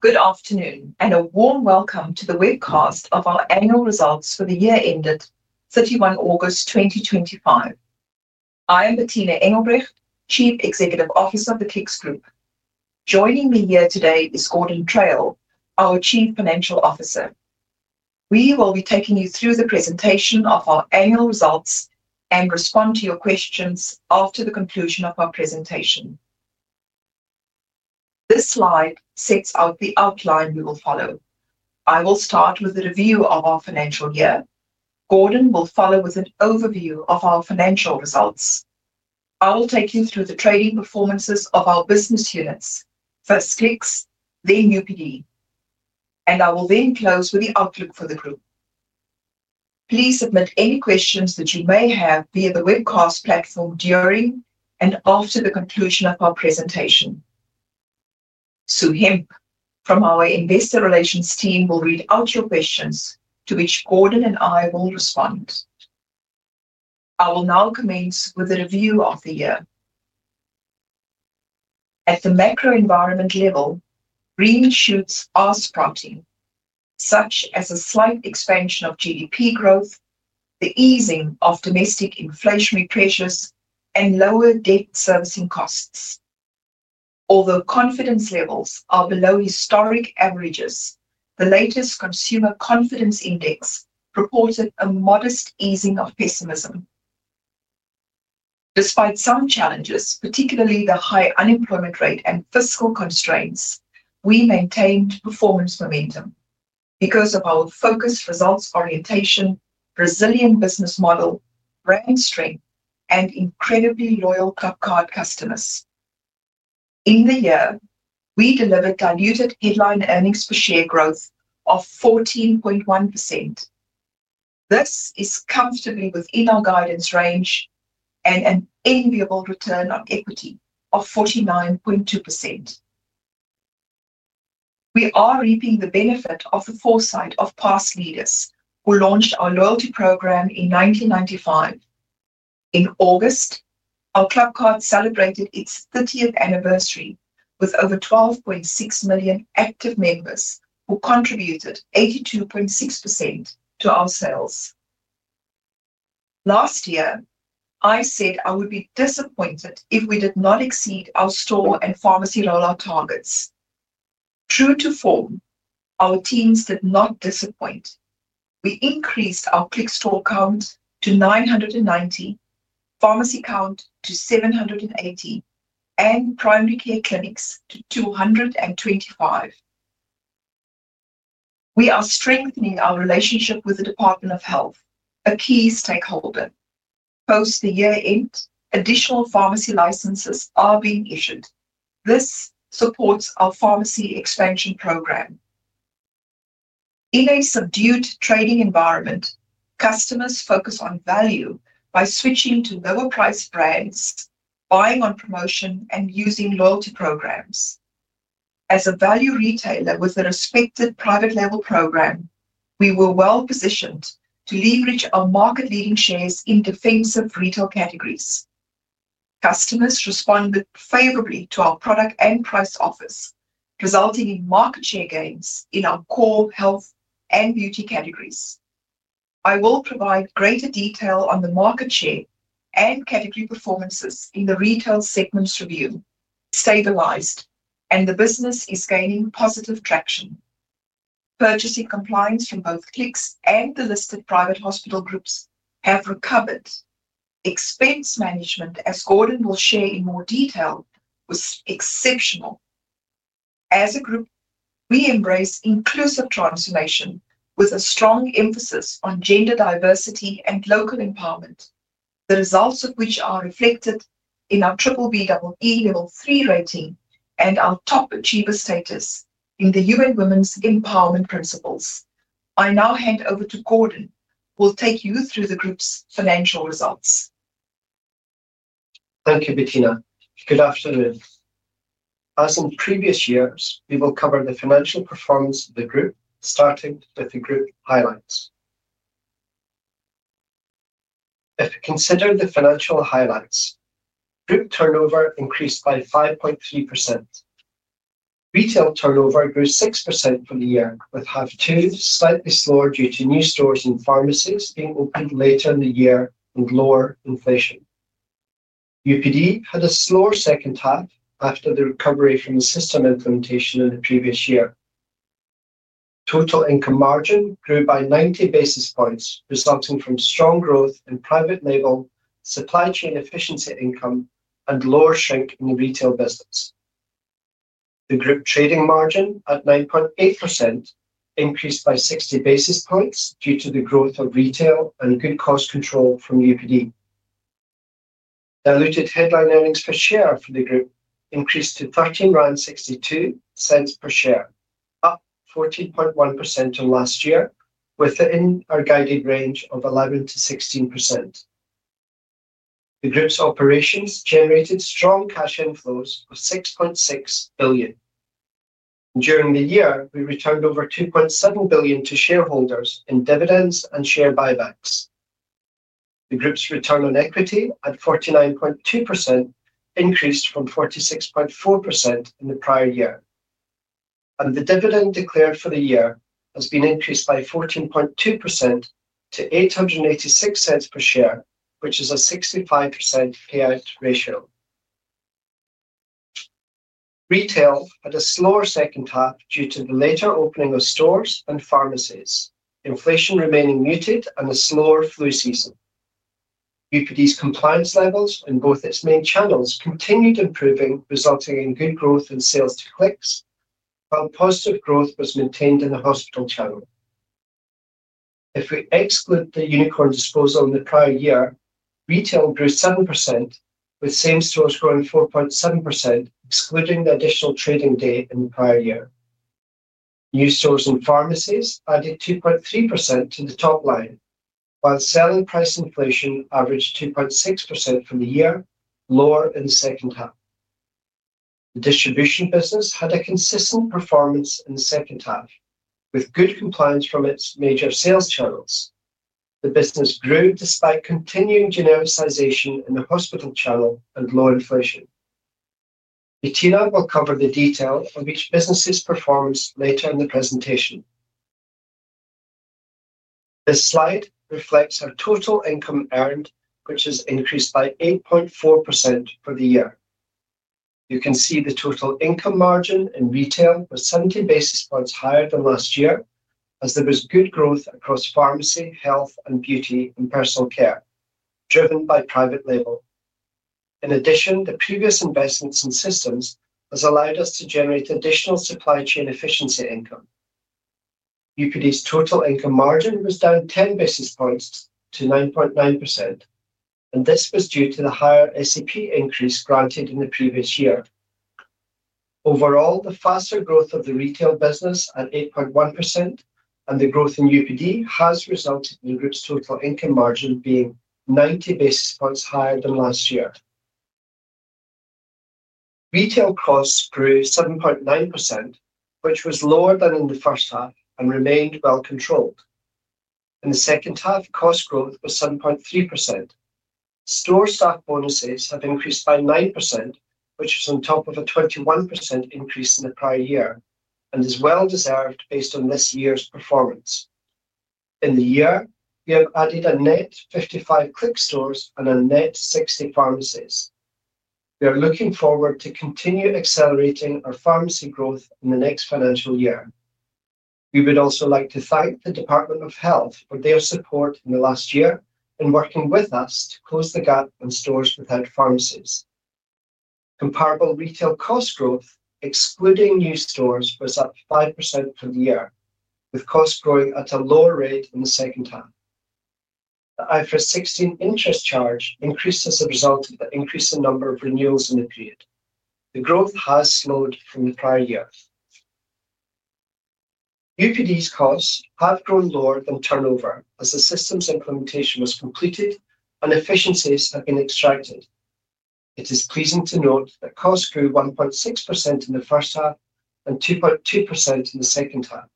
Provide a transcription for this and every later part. Good afternoon and a warm welcome to the webcast of our annual results for the year ended 31 August 2025. I am Bertina Engelbrecht, Chief Executive Officer of the Clicks Group. Joining me here today is Gordon Traill, our Chief Financial Officer. We will be taking you through the presentation of our annual results and respond to your questions after the conclusion of our presentation. This slide sets out the outline we will follow. I will start with a review of our financial year. Gordon will follow with an overview of our financial results. I will take you through the trading performances of our business units, first Clicks, then UPD, and I will then close with the outlook for the group. Please submit any questions that you may have via the webcast platform during and after the conclusion of our presentation. Sue Hemp from our Investor Relations team will read out your questions, to which Gordon and I will respond. I will now commence with a review of the year. At the macro environment level, green shoots are sprouting, such as a slight expansion of GDP growth, the easing of domestic inflationary pressures, and lower debt servicing costs. Although confidence levels are below historic averages, the latest Consumer Confidence Index reported a modest easing of pessimism. Despite some challenges, particularly the high unemployment rate and fiscal constraints, we maintained performance momentum because of our focused results orientation, resilient business model, brand strength, and incredibly loyal Clubcard customers. In the year, we delivered diluted headline earnings per share growth of 14.1%. This is comfortably within our guidance range and an enviable return on equity of 49.2%. We are reaping the benefit of the foresight of past leaders who launched our loyalty program in 1995. In August, our Clubcard celebrated its 30th anniversary with over 12.6 million active members who contributed 82.6% to our sales. Last year, I said I would be disappointed if we did not exceed our store and pharmacy rollout targets. True to form, our teams did not disappoint. We increased our Clicks store count to 990, pharmacy count to 780, and primary care clinics to 225. We are strengthening our relationship with the Department of Health, a key stakeholder. Post the year end, additional pharmacy licenses are being issued. This supports our pharmacy expansion program. In a subdued trading environment, customers focus on value by switching to lower-priced brands, buying on promotion, and using loyalty programs. As a value retailer with a respected private-label program, we were well positioned to leverage our market-leading shares in defensive retail categories. Customers responded favorably to our product and price offers, resulting in market share gains in our core health and beauty categories. I will provide greater detail on the market share and category performances in the retail segments review. Stabilized, and the business is gaining positive traction. Purchasing compliance from both Clicks and the listed private hospital groups has recovered. Expense management, as Gordon will share in more detail, was exceptional. As a group, we embrace inclusive transformation with a strong emphasis on gender diversity and local empowerment, the results of which are reflected in our B-BBEE level three rating and our top achiever status in the UN Women's Empowerment Principles. I now hand over to Gordon, who will take you through the group's financial results. Thank you, Bertina. Good afternoon. As in previous years, we will cover the financial performance of the group, starting with the group highlights. If we consider the financial highlights, group turnover increased by 5.3%. Retail turnover grew 6% for the year, with half two slightly slower due to new stores and pharmacies being opened later in the year and lower inflation. UPD had a slower second half after the recovery from the system implementation in the previous year. Total income margin grew by 90 basis points, resulting from strong growth in private-label, supply chain efficiency income, and lower shrink in the retail business. The group trading margin at 9.8% increased by 60 basis points due to the growth of retail and good cost control from UPD. Diluted headline earnings per share for the group increased to 1,362.00 per share, up 14.1% from last year, within our guided range of 11%-16%. The group's operations generated strong cash inflows of 6.6 billion. During the year, we returned over 2.7 billion to shareholders in dividends and share buybacks. The group's return on equity at 49.2% increased from 46.4% in the prior year. The dividend declared for the year has been increased by 14.2% to 8.86 per share, which is a 65% payout ratio. Retail had a slower second half due to the later opening of stores and pharmacies, inflation remaining muted, and a slower flu season. UPD's compliance levels in both its main channels continued improving, resulting in good growth in sales to Clicks, while positive growth was maintained in the hospital channel. If we exclude the unicorn disposal in the prior year, retail grew 7%, with same stores growing 4.7%, excluding the additional trading day in the prior year. New stores and pharmacies added 2.3% to the top line, while selling price inflation averaged 2.6% for the year, lower in the second half. The distribution business had a consistent performance in the second half, with good compliance from its major sales channels. The business grew despite continuing genericization in the hospital channel and low inflation. Bertina will cover the detail of each business's performance later in the presentation. This slide reflects our total income earned, which has increased by 8.4% for the year. You can see the total income margin in retail was 70 basis points higher than last year, as there was good growth across pharmacy, health and beauty, and personal care, driven by private-label. In addition, the previous investments in systems have allowed us to generate additional supply chain efficiency income. UPD's total income margin was down 10 basis points to 9.9%, and this was due to the higher ACP increase granted in the previous year. Overall, the faster growth of the retail business at 8.1% and the growth in UPD has resulted in the group's total income margin being 90 basis points higher than last year. Retail costs grew 7.9%, which was lower than in the first half and remained well controlled. In the second half, cost growth was 7.3%. Store staff bonuses have increased by 9%, which is on top of a 21% increase in the prior year and is well deserved based on this year's performance. In the year, we have added a net 55 Clicks stores and a net 60 pharmacies. We are looking forward to continue accelerating our pharmacy growth in the next financial year. We would also like to thank the Department of Health for their support in the last year in working with us to close the gap in stores without pharmacies. Comparable retail cost growth, excluding new stores, was up 5% for the year, with costs growing at a lower rate in the second half. The IFRS 16 interest charge increased as a result of the increase in the number of renewals in the period. The growth has slowed from the prior year. UPD's costs have grown lower than turnover as the system's implementation was completed and efficiencies have been extracted. It is pleasing to note that costs grew 1.6% in the first half and 2.2% in the second half.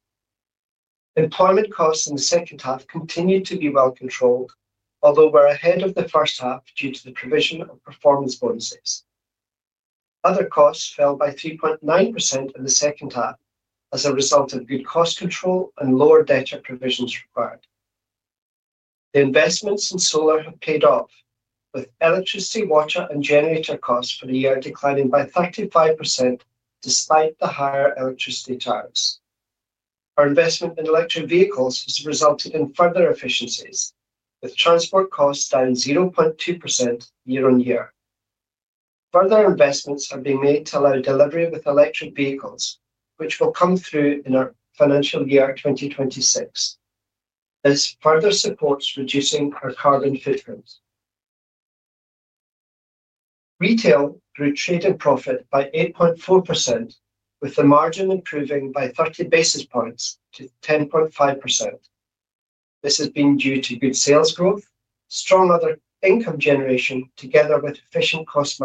Employment costs in the second half continue to be well controlled, although we're ahead of the first half due to the provision of performance bonuses. Other costs fell by 3.9% in the second half as a result of good cost control and lower debtor provisions required. The investments in solar have paid off, with electricity, water, and generator costs for the year declining by 35% despite the higher electricity tariffs. Our investment in electric vehicles has resulted in further efficiencies, with transport costs down 0.2% year on year. Further investments are being made to allow delivery with electric vehicles, which will come through in our financial year 2026. This further supports reducing our carbon footprint. Retail grew trade and profit by 8.4%, with the margin improving by 30 basis points to 10.5%. This has been due to good sales growth, strong other income generation, together with efficient cost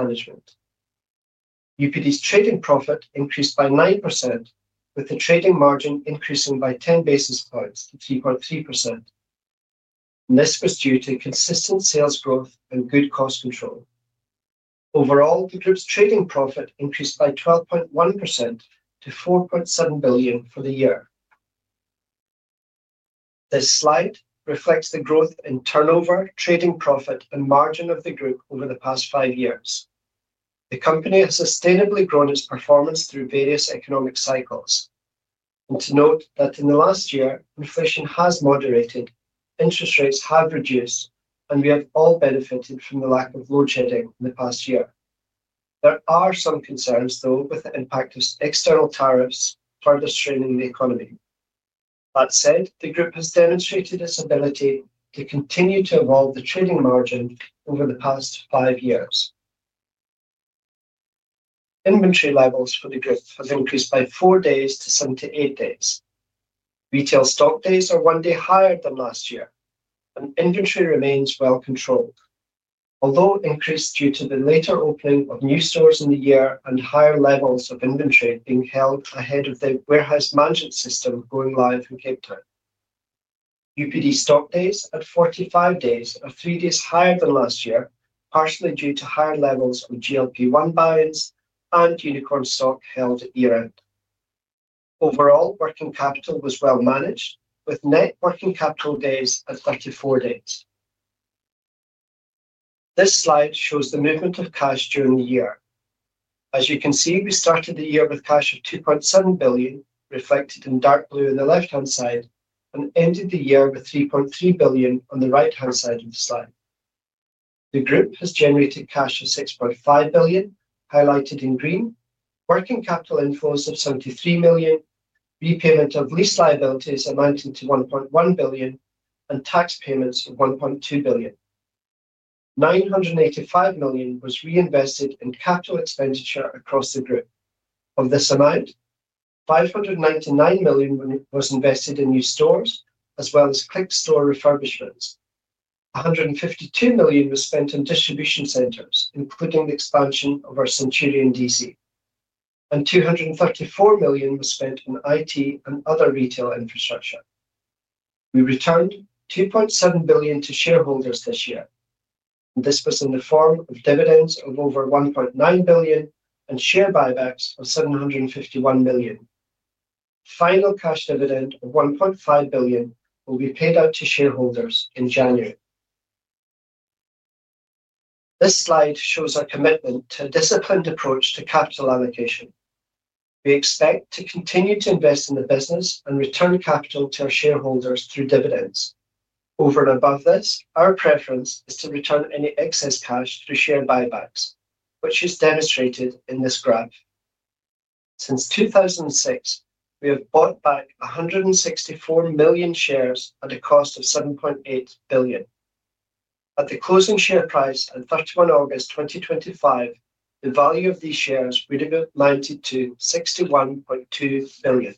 management. UPD's trading profit increased by 9%, with the trading margin increasing by 10 basis points to 3.3%. This was due to consistent sales growth and good cost control. Overall, the group's trading profit increased by 12.1% to 4.7 billion for the year. This slide reflects the growth in turnover, trading profit, and margin of the group over the past five years. The company has sustainably grown its performance through various economic cycles. To note that in the last year, inflation has moderated, interest rates have reduced, and we have all benefited from the lack of load shedding in the past year. There are some concerns, though, with the impact of external tariffs further straining the economy. That said, the group has demonstrated its ability to continue to evolve the trading margin over the past five years. Inventory levels for the group have increased by four days to 78 days. Retail stock days are one day higher than last year, and inventory remains well controlled, although increased due to the later opening of new stores in the year and higher levels of inventory being held ahead of the warehouse management system going live in Cape Town. UPD stock days at 45 days are three days higher than last year, partially due to higher levels of GLP-1 buy-ins and unicorn stock held year-end. Overall, working capital was well managed, with net working capital days at 34 days. This slide shows the movement of cash during the year. As you can see, we started the year with cash of 2.7 billion, reflected in dark blue on the left-hand side, and ended the year with 3.3 billion on the right-hand side of the slide. The group has generated cash of 6.5 billion, highlighted in green, working capital inflows of 73 million, repayment of lease liabilities amounting to 1.1 billion, and tax payments of 1.2 billion. 985 million was reinvested in CapEx across the group. Of this amount, 599 million was invested in new stores, as well as Clicks store refurbishments. 152 million was spent on distribution centers, including the expansion of our Centurion DC, and 234 million was spent on IT and other retail infrastructure. We returned 2.7 billion to shareholders this year, and this was in the form of dividends of over 1.9 billion and share buybacks of 751 million. The final cash dividend of 1.5 billion will be paid out to shareholders in January. This slide shows our commitment to a disciplined approach to capital allocation. We expect to continue to invest in the business and return capital to our shareholders through dividends. Over and above this, our preference is to return any excess cash through share buybacks, which is demonstrated in this graph. Since 2006, we have bought back 164 million shares at a cost of 7.8 billion. At the closing share price on 31 August 2023, the value of these shares would have amounted to 61.2 billion.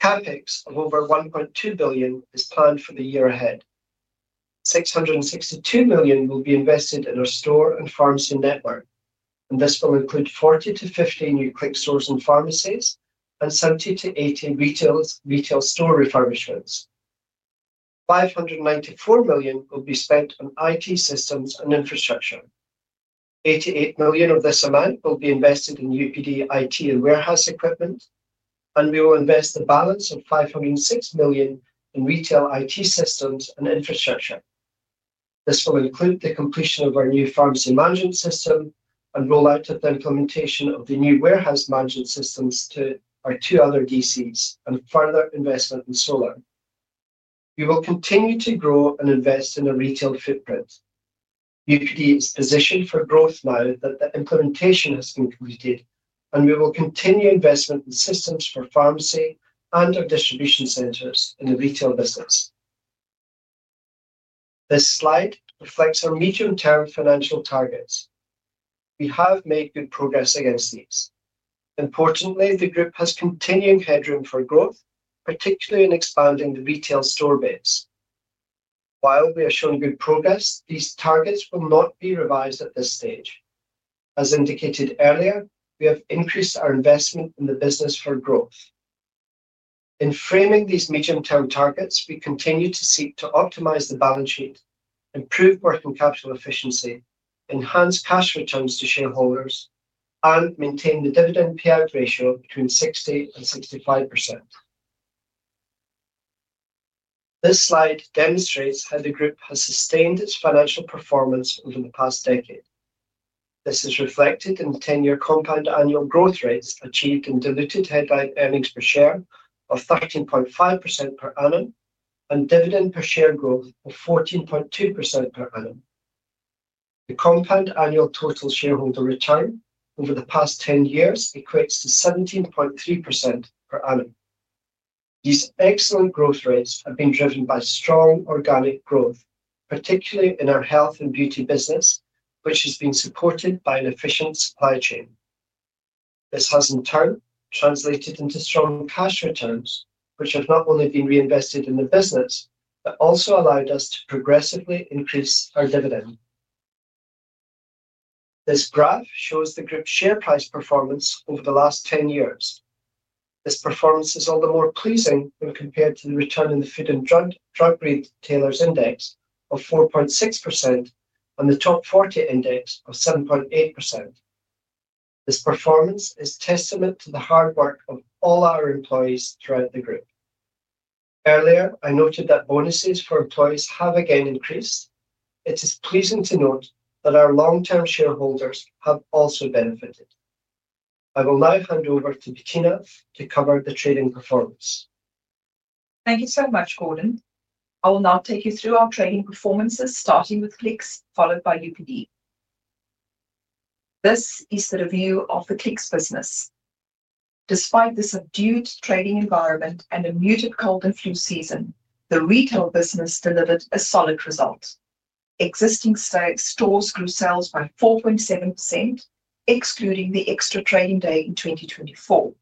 CapEx of over 1.2 billion is planned for the year ahead. 662 million will be invested in our store and pharmacy network, and this will include 40-50 new Clicks stores and pharmacies and 70-80 retail store refurbishments. 594 million will be spent on IT systems and infrastructure. 88 million of this amount will be invested in UPD IT and warehouse equipment, and we will invest a balance of 506 million in retail IT systems and infrastructure. This will include the completion of our new pharmacy management system and rollout of the implementation of the new warehouse management systems to our two other DCs and further investment in solar. We will continue to grow and invest in the retail footprint. UPD is positioned for growth now that the implementation has been completed, and we will continue investment in systems for pharmacy and our distribution centers in the retail business. This slide reflects our medium-term financial targets. We have made good progress against these. Importantly, the group has continuing headroom for growth, particularly in expanding the retail store base. While we have shown good progress, these targets will not be revised at this stage. As indicated earlier, we have increased our investment in the business for growth. In framing these medium-term targets, we continue to seek to optimize the balance sheet, improve working capital efficiency, enhance cash returns to shareholders, and maintain the dividend payout ratio between 60% and 65%. This slide demonstrates how the group has sustained its financial performance over the past decade. This is reflected in the 10-year compound annual growth rates achieved in diluted headline earnings per share of 13.5% per annum and dividend per share growth of 14.2% per annum. The compound annual total shareholder return over the past 10 years equates to 17.3% per annum. These excellent growth rates have been driven by strong organic growth, particularly in our health and beauty business, which has been supported by an efficient supply chain. This has in turn translated into strong cash returns, which have not only been reinvested in the business but also allowed us to progressively increase our dividend. This graph shows the group's share price performance over the last 10 years. This performance is all the more pleasing when compared to the return in the Food and Drug Retailers Index of 4.6% and the Top 40 Index of 7.8%. This performance is a testament to the hard work of all our employees throughout the group. Earlier, I noted that bonuses for employees have again increased. It is pleasing to note that our long-term shareholders have also benefited. I will now hand over to Bertina to cover the trading performance. Thank you so much, Gordon. I will now take you through our trading performances, starting with Clicks, followed by UPD. This is the review of the Clicks business. Despite this subdued trading environment and a muted cold and flu season, the retail business delivered a solid result. Existing stores grew sales by 4.7%, excluding the extra trading day in 2024.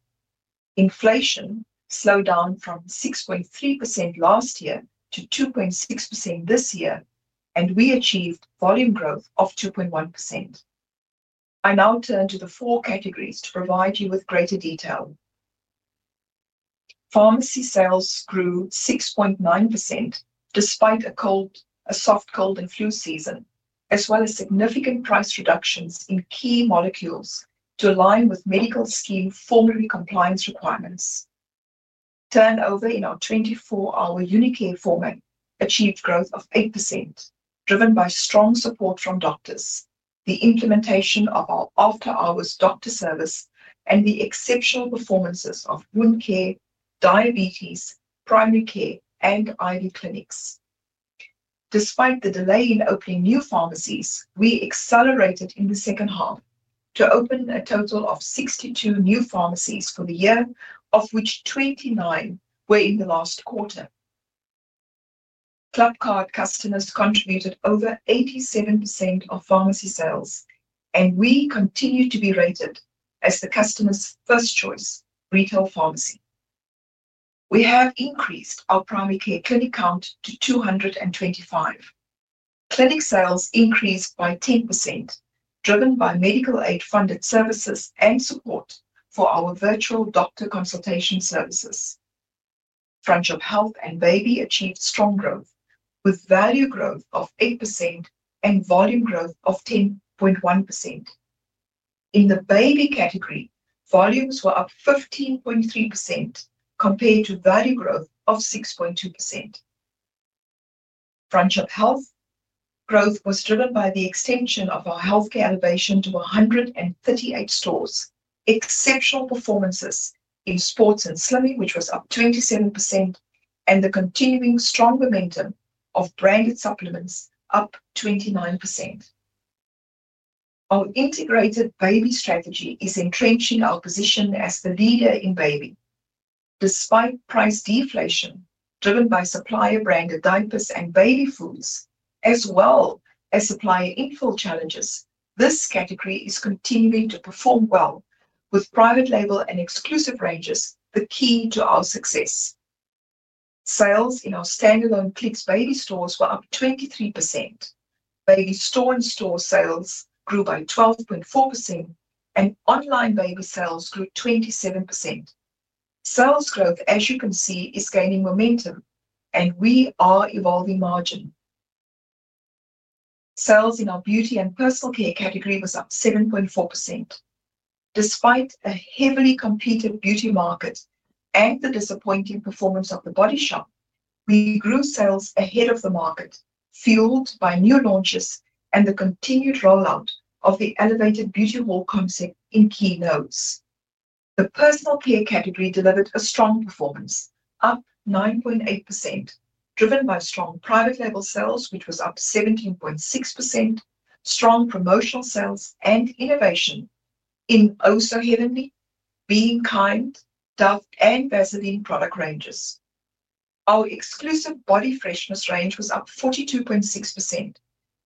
Inflation slowed down from 6.3% last year to 2.6% this year, and we achieved volume growth of 2.1%. I now turn to the four categories to provide you with greater detail. Pharmacy sales grew 6.9% despite a soft cold and flu season, as well as significant price reductions in key molecules to align with medical scheme formulary compliance requirements. Turnover in our 24-hour UniCare format achieved growth of 8%, driven by strong support from doctors, the implementation of our after-hours doctor service, and the exceptional performances of wound care, diabetes, primary care, and IV clinics. Despite the delay in opening new pharmacies, we accelerated in the second half to open a total of 62 new pharmacies for the year, of which 29 were in the last quarter. Clubcard customers contributed over 87% of pharmacy sales, and we continue to be rated as the customer's first choice retail pharmacy. We have increased our primary care clinic count to 225. Clinic sales increased by 10%, driven by medical aid-funded services and support for our virtual doctor consultation services. Front of Health and Baby achieved strong growth, with value growth of 8% and volume growth of 10.1%. In the Baby category, volumes were up 15.3% compared to value growth of 6.2%. Front of Health growth was driven by the extension of our healthcare elevation to 138 stores, exceptional performances in sports and swimming, which was up 27%, and the continuing strong momentum of branded supplements up 29%. Our integrated Baby strategy is entrenching our position as the leader in Baby. Despite price deflation, driven by supplier-branded diapers and baby foods, as well as supplier infill challenges, this category is continuing to perform well, with private-label and exclusive brands the key to our success. Sales in our standalone Clicks Baby stores were up 23%. Baby store-in-store sales grew by 12.4%, and online Baby sales grew 27%. Sales growth, as you can see, is gaining momentum, and we are evolving margin. Sales in our beauty and personal care category were up 7.4%. Despite a heavily competed beauty market and the disappointing performance of The Body Shop, we grew sales ahead of the market, fueled by new launches and the continued rollout of the elevated beauty hall concept in key nodes. The personal care category delivered a strong performance, up 9.8%, driven by strong private-label sales, which was up 17.6%, strong promotional sales, and innovation in Oh So Heavenly, Being Kind, Dove, and Vaseline product ranges. Our exclusive Body Freshness range was up 42.6%,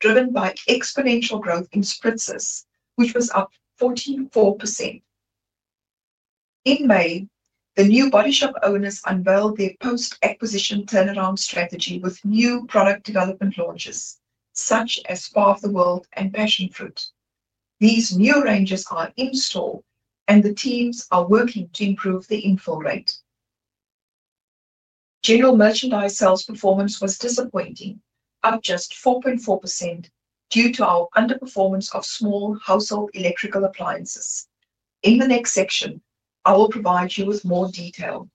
driven by exponential growth in spritzes, which was up 44%. In May, the new Body Shop owners unveiled their post-acquisition turnaround strategy with new product development launches, such as Farthawk World and Passion Fruit. These new ranges are in-store, and the teams are working to improve the infill rate. General merchandise sales performance was disappointing, up just 4.4% due to our underperformance of small household electrical appliances. In the next section, I will provide you with more detail.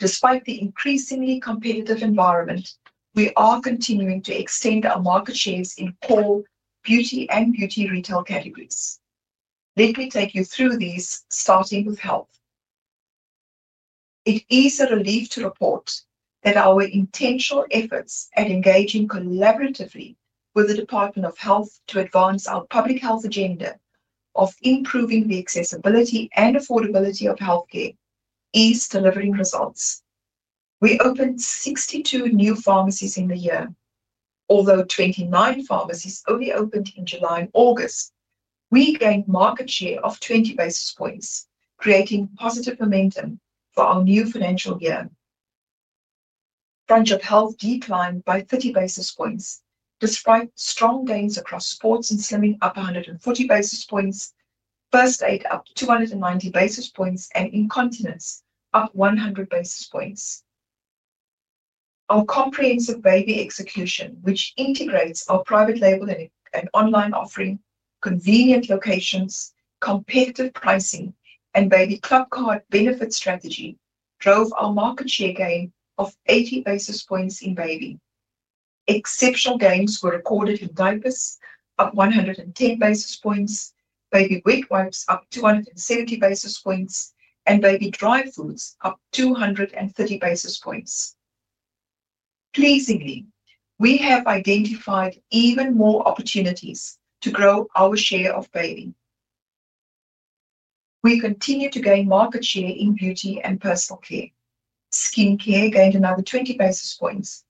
Despite the increasingly competitive environment, we are continuing to extend our market shares in core, beauty, and beauty retail categories. Let me take you through these, starting with Health. It is a relief to report that our intentional efforts at engaging collaboratively with the Department of Health to advance our public health agenda of improving the accessibility and affordability of healthcare is delivering results. We opened 62 new pharmacies in the year. Although 29 pharmacies only opened in July and August, we gained market share of 20 basis points, creating positive momentum for our new financial year. Front of Health declined by 30 basis points, despite strong gains across sports and swimming, up 140 basis points, first aid up 290 basis points, and incontinence up 100 basis points. Our comprehensive Baby execution, which integrates our private-label and online offering, convenient locations, competitive pricing, and Baby Clubcard benefit strategy drove our market share gain of 80 basis points in Baby. Exceptional gains were recorded in diapers, up 110 basis points, Baby Wet Wipes up 270 basis points, and Baby Dry Foods up 230 basis points. Pleasingly, we have identified even more opportunities to grow our share of Baby. We continue to gain market share in beauty and personal care. Skincare gained another 20 basis points,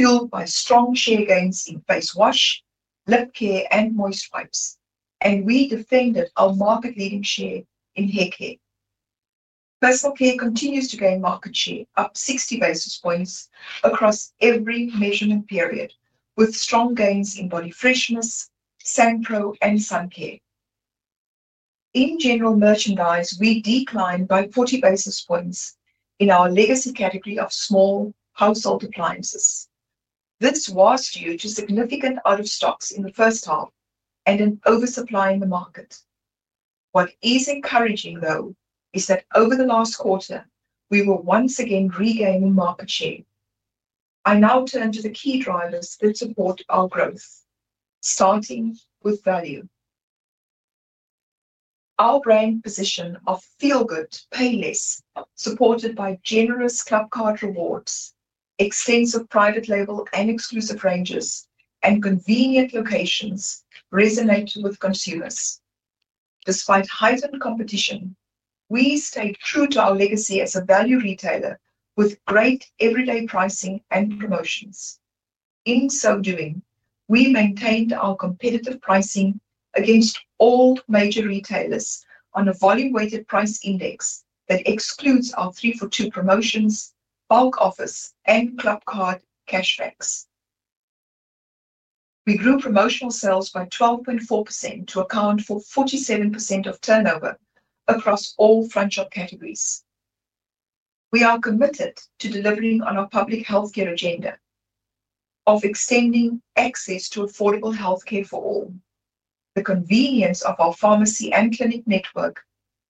fueled by strong share gains in face wash, lip care, and moist wipes, and we defended our market-leading share in hair care. Personal care continues to gain market share, up 60 basis points across every measurement period, with strong gains in Body Freshness, SanPro, and Sun Care. In general merchandise, we declined by 40 basis points in our legacy category of small household appliances. This was due to significant out-of-stocks in the first half and an oversupply in the market. What is encouraging, though, is that over the last quarter, we were once again regaining market share. I now turn to the key drivers that support our growth, starting with value. Our brand position of feel good, pay less, supported by generous Clubcard rewards, extensive private-label and exclusive ranges, and convenient locations resonated with consumers. Despite heightened competition, we stayed true to our legacy as a value retailer with great everyday pricing and promotions. In so doing, we maintained our competitive pricing against all major retailers on a volume-weighted price index that excludes our three for two promotions, bulk offers, and Clubcard cashbacks. We grew promotional sales by 12.4% to account for 47% of turnover across all front shop categories. We are committed to delivering on our public healthcare agenda of extending access to affordable healthcare for all. The convenience of our pharmacy and clinic network,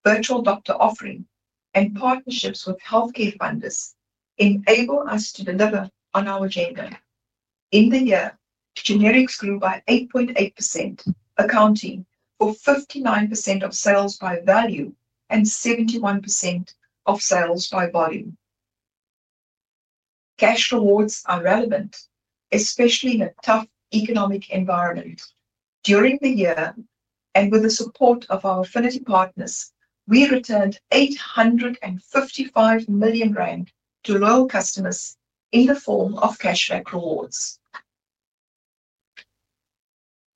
virtual doctor offering, and partnerships with healthcare funders enable us to deliver on our agenda. In the year, generics grew by 8.8%, accounting for 59% of sales by value and 71% of sales by volume. Cash rewards are relevant, especially in a tough economic environment. During the year, and with the support of our affinity partners, we returned 855 million rand to loyal customers in the form of cashback rewards.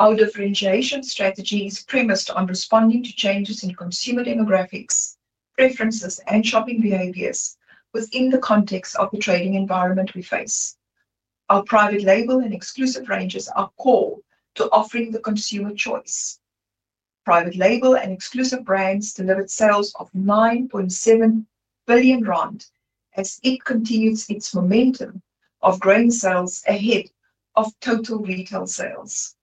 Our differentiation strategy is premised on responding to changes in consumer demographics, preferences, and shopping behaviors within the context of the trading environment we face. Our private-label and exclusive ranges are core to offering the consumer choice. Private-label and exclusive brands delivered sales of 9.7 billion rand as it continues its momentum of growing sales ahead of total retail sales.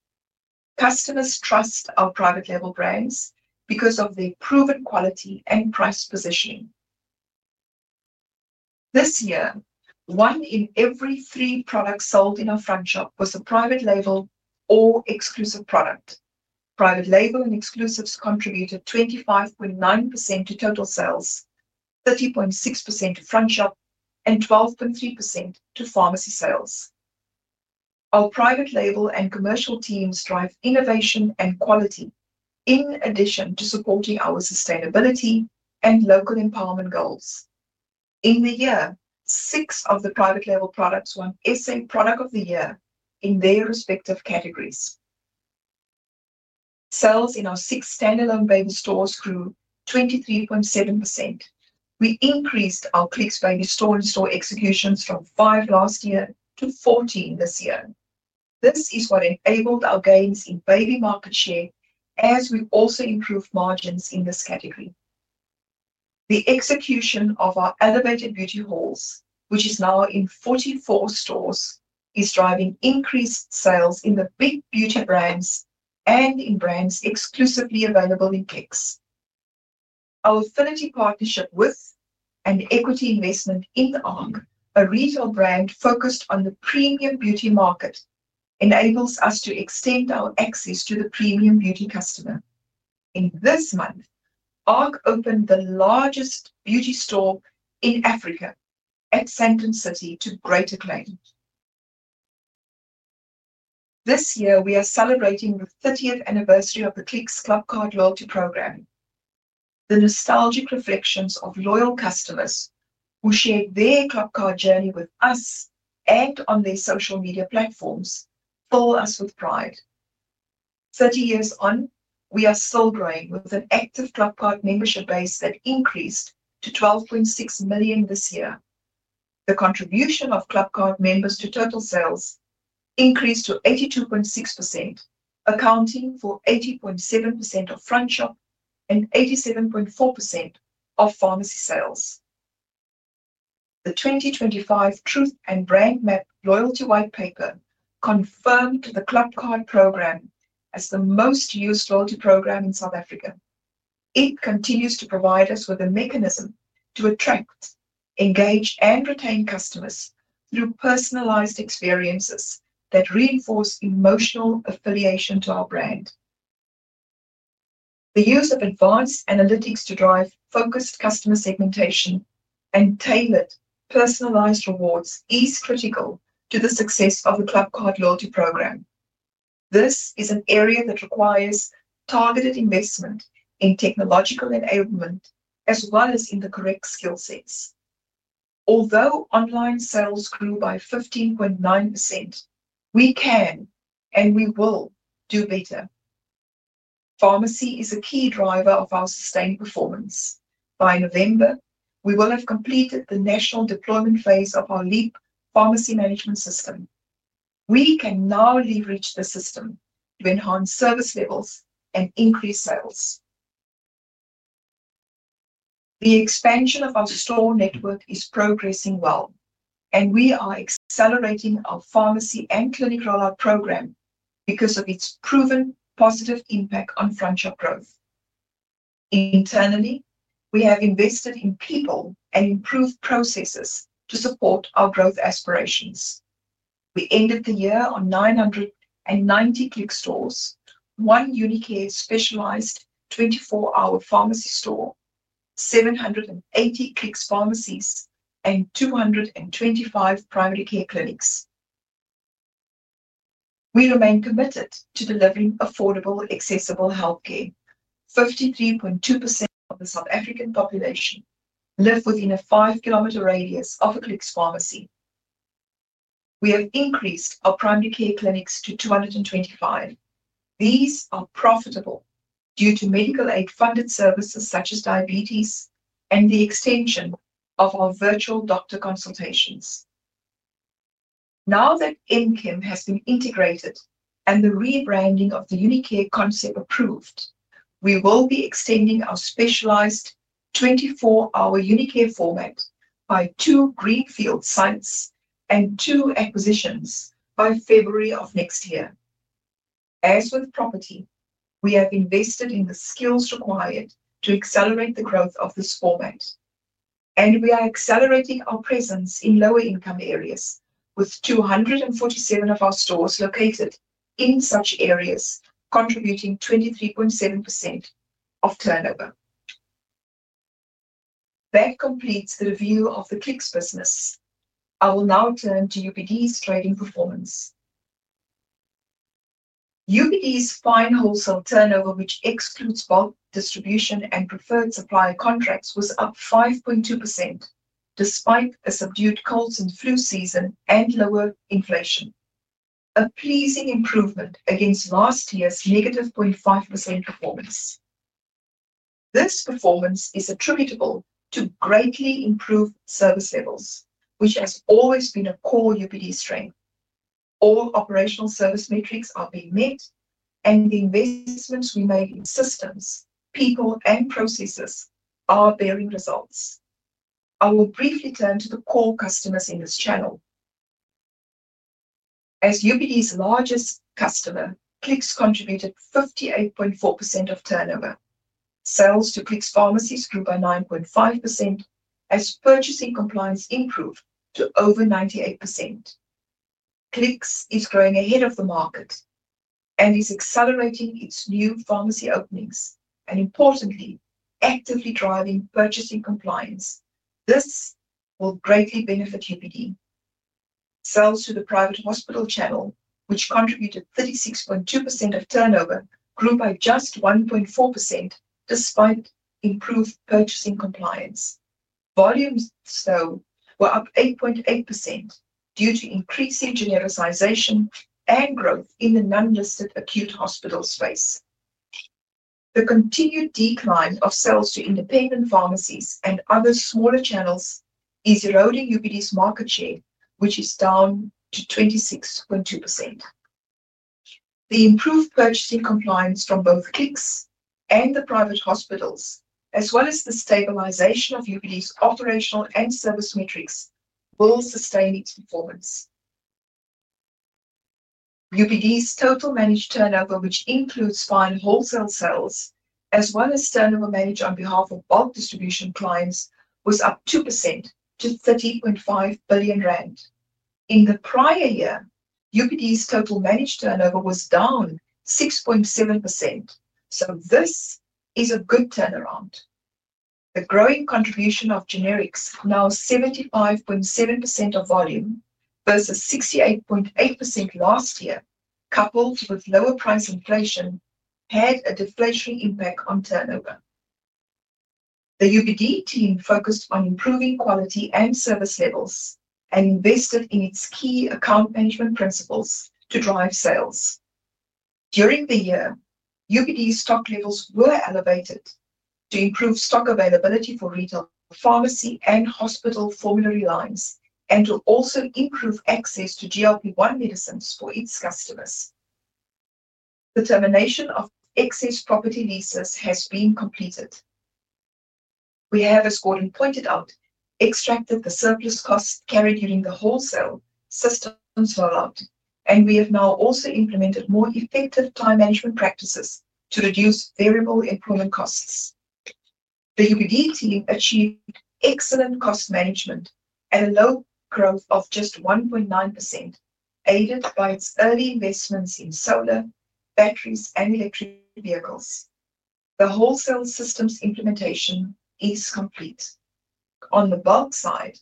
Customers trust our private-label brands because of their proven quality and price positioning. This year, one in every three products sold in our front shop was a private-label or exclusive product. Private-label and exclusives contributed 25.9% to total sales, 30.6% to front shop, and 12.3% to pharmacy sales. Our private-label and commercial teams drive innovation and quality, in addition to supporting our sustainability and local empowerment goals. In the year, six of the private-label products won SA Product of the Year in their respective categories. Sales in our six standalone baby stores grew 23.7%. We increased our Clicks Baby store-in-store executions from five last year to 14 this year. This is what enabled our gains in baby market share, as we also improved margins in this category. The execution of our elevated beauty halls, which is now in 44 stores, is driving increased sales in the big beauty brands and in brands exclusively available in Clicks. Our affinity partnership with an equity investment in Ark, a retail brand focused on the premium beauty market, enables us to extend our access to the premium beauty customer. In this month, Ark opened the largest beauty store in Africa at Centrum City to great acclaim. This year, we are celebrating the 30th anniversary of the Clicks Clubcard loyalty program. The nostalgic reflections of loyal customers who shared their Clubcard journey with us and on their social media platforms fill us with pride. 30 years on, we are still growing with an active Clubcard membership base that increased to 12.6 million this year. The contribution of Clubcard members to total sales increased to 82.6%, accounting for 80.7% of front shop and 87.4% of pharmacy sales. The 2025 Truth and Brand Map loyalty white paper confirmed the Clubcard program as the most used loyalty program in South Africa. It continues to provide us with a mechanism to attract, engage, and retain customers through personalized experiences that reinforce emotional affiliation to our brand. The use of advanced analytics to drive focused customer segmentation and tailored personalized rewards is critical to the success of the Clubcard loyalty program. This is an area that requires targeted investment in technological enablement as well as in the correct skill sets. Although online sales grew by 15.9%, we can and we will do better. Pharmacy is a key driver of our sustained performance. By November, we will have completed the national deployment phase of our LEAP pharmacy management system. We can now leverage the system to enhance service levels and increase sales. The expansion of our store network is progressing well, and we are accelerating our pharmacy and clinic rollout program because of its proven positive impact on front shop growth. Internally, we have invested in people and improved processes to support our growth aspirations. We ended the year on 990 Clicks stores, one UniCare specialized 24-hour pharmacy store, 780 Clicks pharmacies, and 225 primary care clinics. We remain committed to delivering affordable, accessible healthcare. 53.2% of the South African population live within a 5 km radius of a Clicks pharmacy. We have increased our primary care clinics to 225. These are profitable due to medical aid-funded services such as diabetes and the extension of our virtual doctor consultations. Now that NKIM has been integrated and the rebranding of the UniCare concept approved, we will be extending our specialized 24-hour UniCare format by two greenfield sites and two acquisitions by February of next year. As with property, we have invested in the skills required to accelerate the growth of this format, and we are accelerating our presence in lower-income areas, with 247 of our stores located in such areas contributing 23.7% of turnover. That completes the review of the Clicks business. I will now turn to UPD's trading performance. UPD's fine wholesale turnover, which excludes bulk distribution and preferred supply contracts, was up 5.2% despite a subdued cold and flu season and lower inflation. A pleasing improvement against last year's -0.5% performance. This performance is attributable to greatly improved service levels, which has always been a core UPD strength. All operational service metrics are being met, and the investments we made in systems, people, and processes are bearing results. I will briefly turn to the core customers in this channel. As UPD's largest customer, Clicks contributed 58.4% of turnover. Sales to Clicks pharmacies grew by 9.5% as purchasing compliance improved to over 98%. Clicks is growing ahead of the market and is accelerating its new pharmacy openings and, importantly, actively driving purchasing compliance. This will greatly benefit UPD. Sales to the private hospital channel, which contributed 36.2% of turnover, grew by just 1.4% despite improved purchasing compliance. Volumes, though, were up 8.8% due to increasing genericization and growth in the non-listed acute hospital space. The continued decline of sales to independent pharmacies and other smaller channels is eroding UPD's market share, which is down to 26.2%. The improved purchasing compliance from both Clicks and the private hospitals, as well as the stabilization of UPD's operational and service metrics, will sustain its performance. UPD's total managed turnover, which includes fine wholesale sales as well as turnover managed on behalf of bulk distribution clients, was up 2% to 30.5 billion rand. In the prior year, UPD's total managed turnover was down 6.7%, so this is a good turnaround. The growing contribution of generics, now 75.7% of volume versus 68.8% last year, coupled with lower price inflation, had a deflationary impact on turnover. The UPD team focused on improving quality and service levels and invested in its key account management principles to drive sales. During the year, UPD stock levels were elevated to improve stock availability for retail pharmacy and hospital formulary lines and to also improve access to GLP-1 medicines for its customers. The termination of excess property leases has been completed. We have, as Gordon pointed out, extracted the surplus costs carried during the wholesale systems rollout, and we have now also implemented more effective time management practices to reduce variable employment costs. The UPD team achieved excellent cost management at a low growth of just 1.9%, aided by its early investments in solar, batteries, and electric vehicles. The wholesale systems implementation is complete. On the bulk side,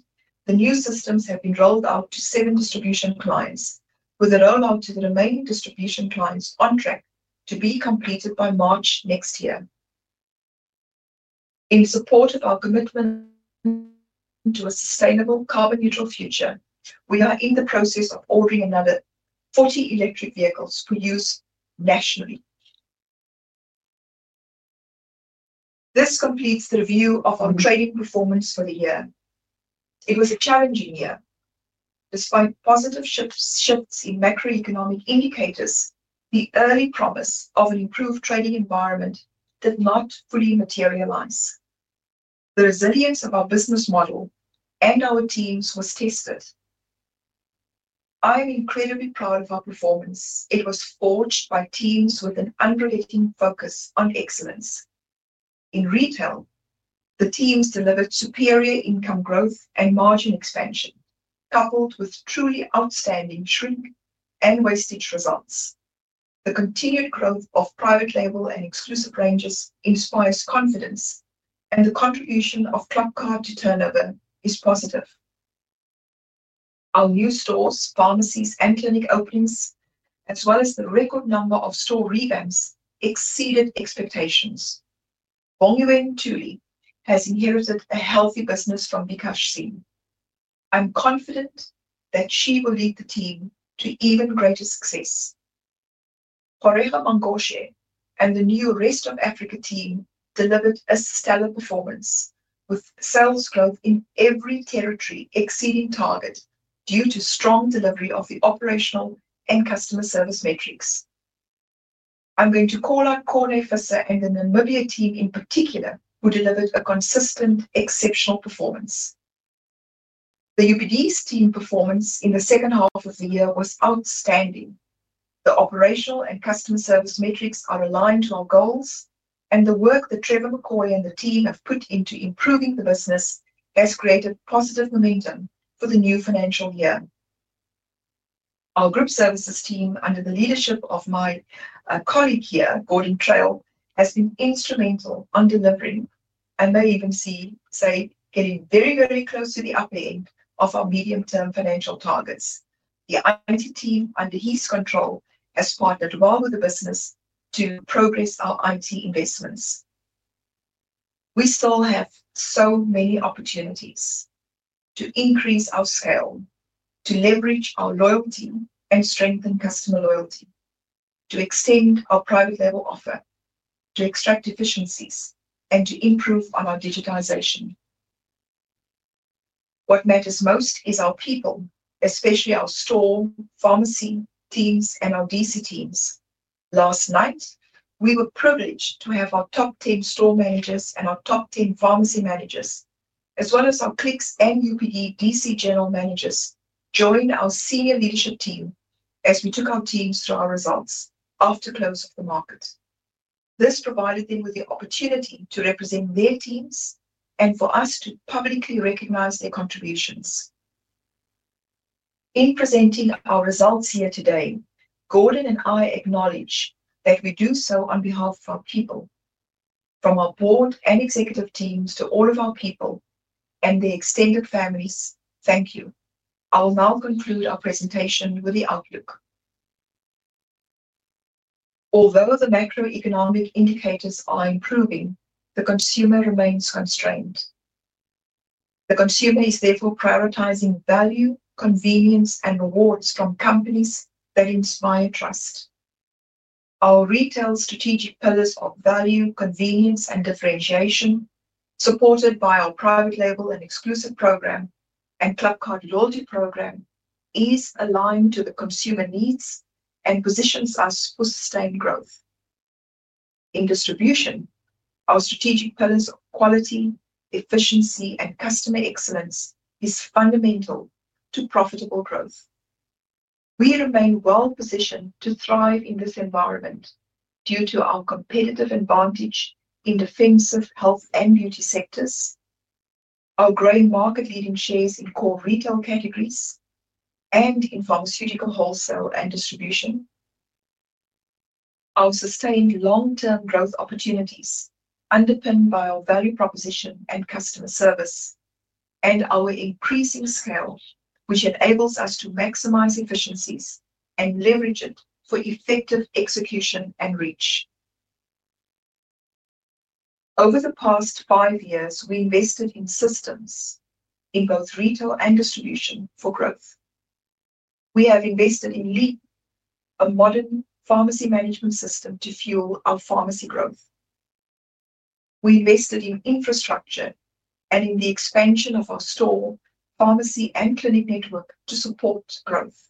the new systems have been rolled out to seven distribution clients, with the rollout to the remaining distribution clients on track to be completed by March next year. In support of our commitment to a sustainable, carbon-neutral future, we are in the process of ordering another 40 electric vehicles for use nationally. This completes the review of our trading performance for the year. It was a challenging year. Despite positive shifts in macroeconomic indicators, the early promise of an improved trading environment did not fully materialize. The resilience of our business model and our teams was tested. I am incredibly proud of our performance. It was forged by teams with an unrelenting focus on excellence. In retail, the teams delivered superior income growth and margin expansion, coupled with truly outstanding shrink and wastage results. The continued growth of private-label and exclusive brands inspires confidence, and the contribution of Clubcard to turnover is positive. Our new stores, pharmacies, and clinic openings, as well as the record number of store revamps, exceeded expectations. Bongewen Tuli has inherited a healthy business from Vikesh Ramsunder. I'm confident that she will lead the team to even greater success. Korega Mangoshe and the new Rest of Africa team delivered a stellar performance, with sales growth in every territory exceeding target due to strong delivery of the operational and customer service metrics. I'm going to call out Kornay Fissa and the Namibia team in particular, who delivered a consistent, exceptional performance. The UPD's team performance in the second half of the year was outstanding. The operational and customer service metrics are aligned to our goals, and the work that Trevor McCoy and the team have put into improving the business has created positive momentum for the new financial year. Our group services team, under the leadership of my colleague here, Gordon Traill, has been instrumental in delivering, and they even see, say, getting very, very close to the upper end of our medium-term financial targets. The IT team under his control has partnered well with the business to progress our IT investments. We still have so many opportunities to increase our scale, to leverage our loyalty and strengthen customer loyalty, to extend our private-label offer, to extract efficiencies, and to improve on our digitization. What matters most is our people, especially our store pharmacy teams and our DC teams. Last night, we were privileged to have our top 10 store managers and our top 10 pharmacy managers, as well as our Clicks and UPD DC general managers, join our senior leadership team as we took our teams to our results after close of the market. This provided them with the opportunity to represent their teams and for us to publicly recognize their contributions. In presenting our results here today, Gordon and I acknowledge that we do so on behalf of our people. From our board and executive teams to all of our people and their extended families, thank you. I will now conclude our presentation with the outlook. Although the macroeconomic indicators are improving, the consumer remains constrained. The consumer is therefore prioritizing value, convenience, and rewards from companies that inspire trust. Our retail strategic pillars of value, convenience, and differentiation, supported by our private-label and exclusive brands program and Clubcard loyalty program, is aligned to the consumer needs and positions us for sustained growth. In distribution, our strategic pillars of quality, efficiency, and customer excellence are fundamental to profitable growth. We remain well positioned to thrive in this environment due to our competitive advantage in defensive health and beauty sectors, our growing market-leading shares in core retail categories, and in pharmaceutical wholesale and distribution, our sustained long-term growth opportunities underpinned by our value proposition and customer service, and our increasing scale, which enables us to maximize efficiencies and leverage it for effective execution and reach. Over the past five years, we invested in systems in both retail and distribution for growth. We have invested in LEAP, a modern pharmacy management system to fuel our pharmacy growth. We invested in infrastructure and in the expansion of our store, pharmacy, and clinic network to support growth.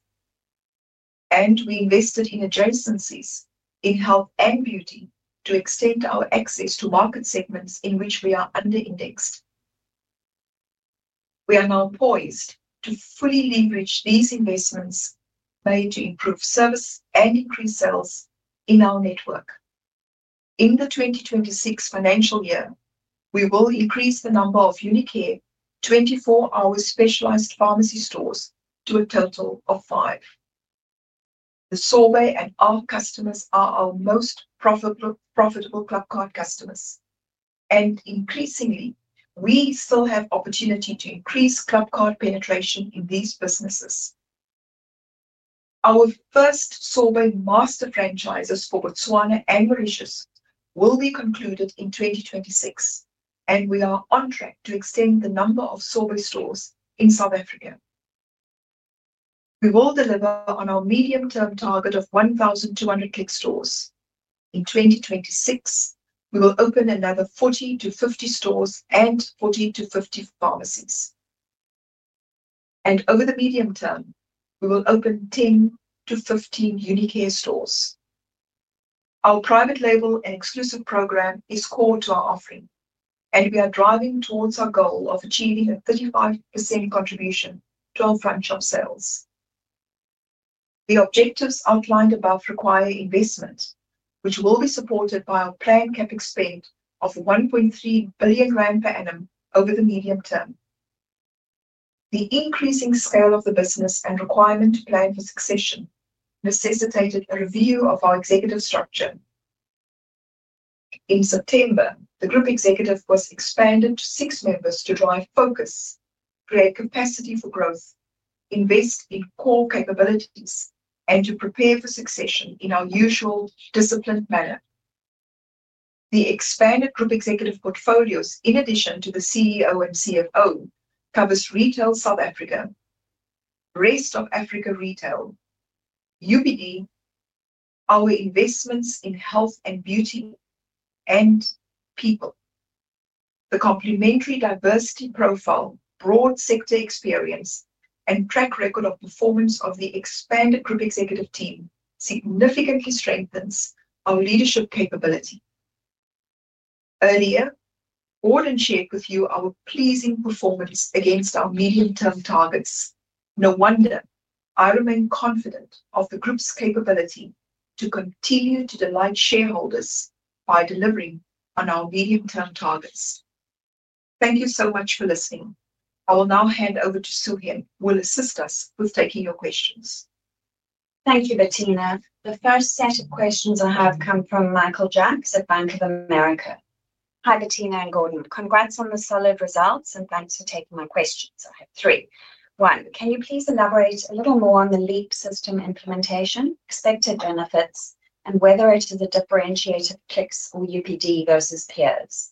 We invested in adjacencies in health and beauty to extend our access to market segments in which we are under-indexed. We are now poised to fully leverage these investments made to improve service and increase sales in our network. In the 2026 financial year, we will increase the number of UniCare 24-hour specialized pharmacy stores to a total of five. The Sorbet and our customers are our most profitable Clubcard customers. Increasingly, we still have opportunity to increase Clubcard penetration in these businesses. Our first Sorbet master franchises for Botswana and Mauritius will be concluded in 2026, and we are on track to extend the number of Sorbet stores in South Africa. We will deliver on our medium-term target of 1,200 Clicks stores. In 2026, we will open another 40-50 stores and 40-50 pharmacies. Over the medium term, we will open 10-15 UniCare stores. Our private-label and exclusive brands program is core to our offering, and we are driving towards our goal of achieving a 35% contribution to our front shop sales. The objectives outlined above require investment, which will be supported by our planned CapEx spend of 1.3 billion rand per annum over the medium term. The increasing scale of the business and requirement to plan for succession necessitated a review of our executive structure. In September, the group executive was expanded to six members to drive focus, create capacity for growth, invest in core capabilities, and to prepare for succession in our usual disciplined manner. The expanded group executive portfolios, in addition to the CEO and CFO, cover retail South Africa, Rest of Africa retail, UPD, our investments in health and beauty, and people. The complementary diversity profile, broad sector experience, and track record of performance of the expanded group executive team significantly strengthen our leadership capability. Earlier, Gordon shared with you our pleasing performance against our medium-term targets. No wonder I remain confident of the group's capability to continue to delight shareholders by delivering on our medium-term targets. Thank you so much for listening. I will now hand over to Sue Hemp, who will assist us with taking your questions. Thank you, Bertina. The first set of questions I have come from Michael Jacks at Bank of America. Hi, Bertina and Gordon. Congrats on the solid results and thanks for taking my questions. I have three. One, can you please elaborate a little more on the LEAP pharmacy management system implementation, expected benefits, and whether it is a differentiated Clicks or UPD versus peers?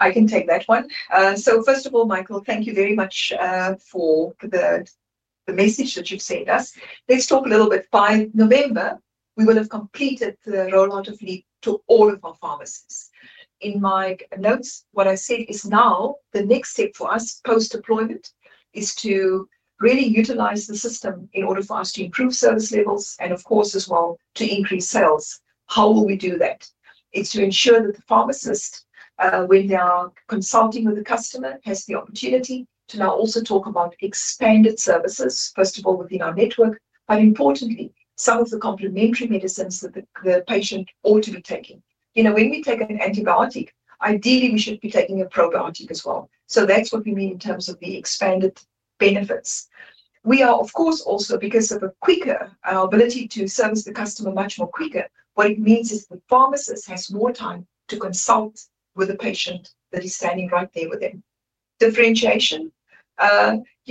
I can take that one. First of all, Michael, thank you very much for the message that you've sent us. Let's talk a little bit. By November, we will have completed the rollout of LEAP to all of our pharmacies. In my notes, what I said is now the next step for us post-deployment is to really utilize the system in order for us to improve service levels and, of course, as well, to increase sales. How will we do that? It's to ensure that the pharmacist, when they are consulting with the customer, has the opportunity to now also talk about expanded services, first of all, within our network, but importantly, some of the complementary medicines that the patient ought to be taking. You know, when we take an antibiotic, ideally we should be taking a probiotic as well. That's what we mean in terms of the expanded benefits. We are, of course, also, because of a quicker ability to service the customer much more quickly, what it means is the pharmacist has more time to consult with a patient that is standing right there with them. Differentiation,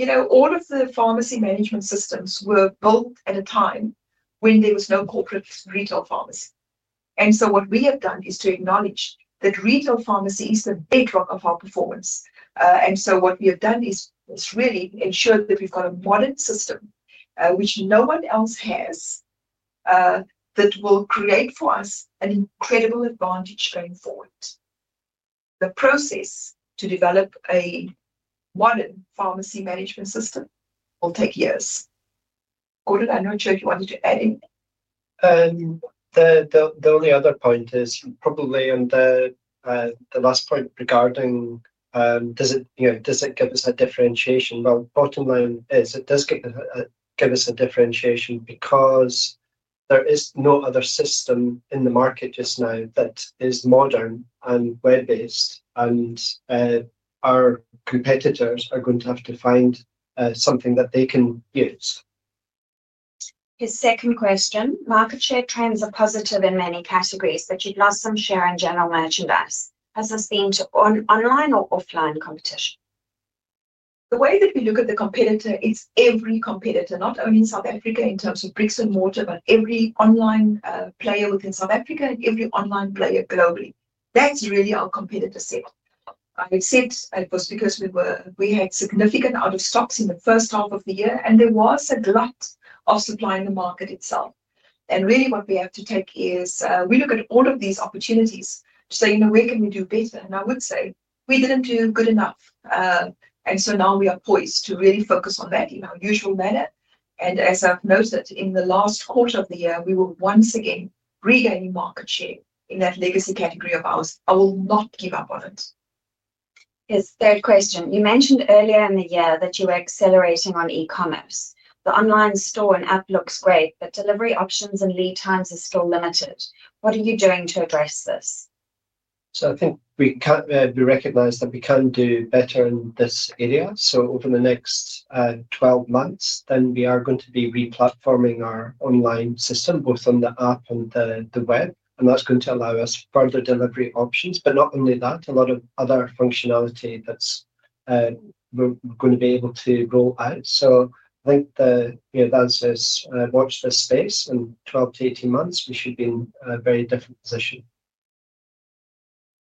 you know, all of the pharmacy management systems were built at a time when there was no corporate retail pharmacy. What we have done is to acknowledge that retail pharmacy is the bedrock of our performance. What we have done is really ensure that we've got a modern system, which no one else has, that will create for us an incredible advantage going forward. The process to develop a modern pharmacy management system will take years. Gordon, I'm not sure if you wanted to add anything. The only other point is probably on the last point regarding, does it give us a differentiation? It does give us a differentiation because there is no other system in the market just now that is modern and web-based, and our competitors are going to have to find something that they can use. His second question, market share trends are positive in many categories, but you've lost some share in general merchandise. Has this been to online or offline competition? The way that we look at the competitor is every competitor, not only in South Africa in terms of bricks and mortar, but every online player within South Africa and every online player globally. That's really our competitor set. It was because we had significant out-of-stocks in the first half of the year, and there was a glut of supply in the market itself. What we have to take is we look at all of these opportunities to say, you know, where can we do better? I would say we didn't do good enough. Now we are poised to really focus on that in our usual manner. As I've noted, in the last quarter of the year, we will once again regain market share in that legacy category of ours. I will not give up on it. His third question, you mentioned earlier in the year that you were accelerating on e-commerce. The online store and app look great, but delivery options and lead times are still limited. What are you doing to address this? I think we recognize that we can do better in this area. Over the next 12 months, we are going to be re-platforming our online system, both on the app and the web, and that's going to allow us further delivery options. Not only that, a lot of other functionality that we're going to be able to roll out. I think that as we watch this space in 12-18 months, we should be in a very different position.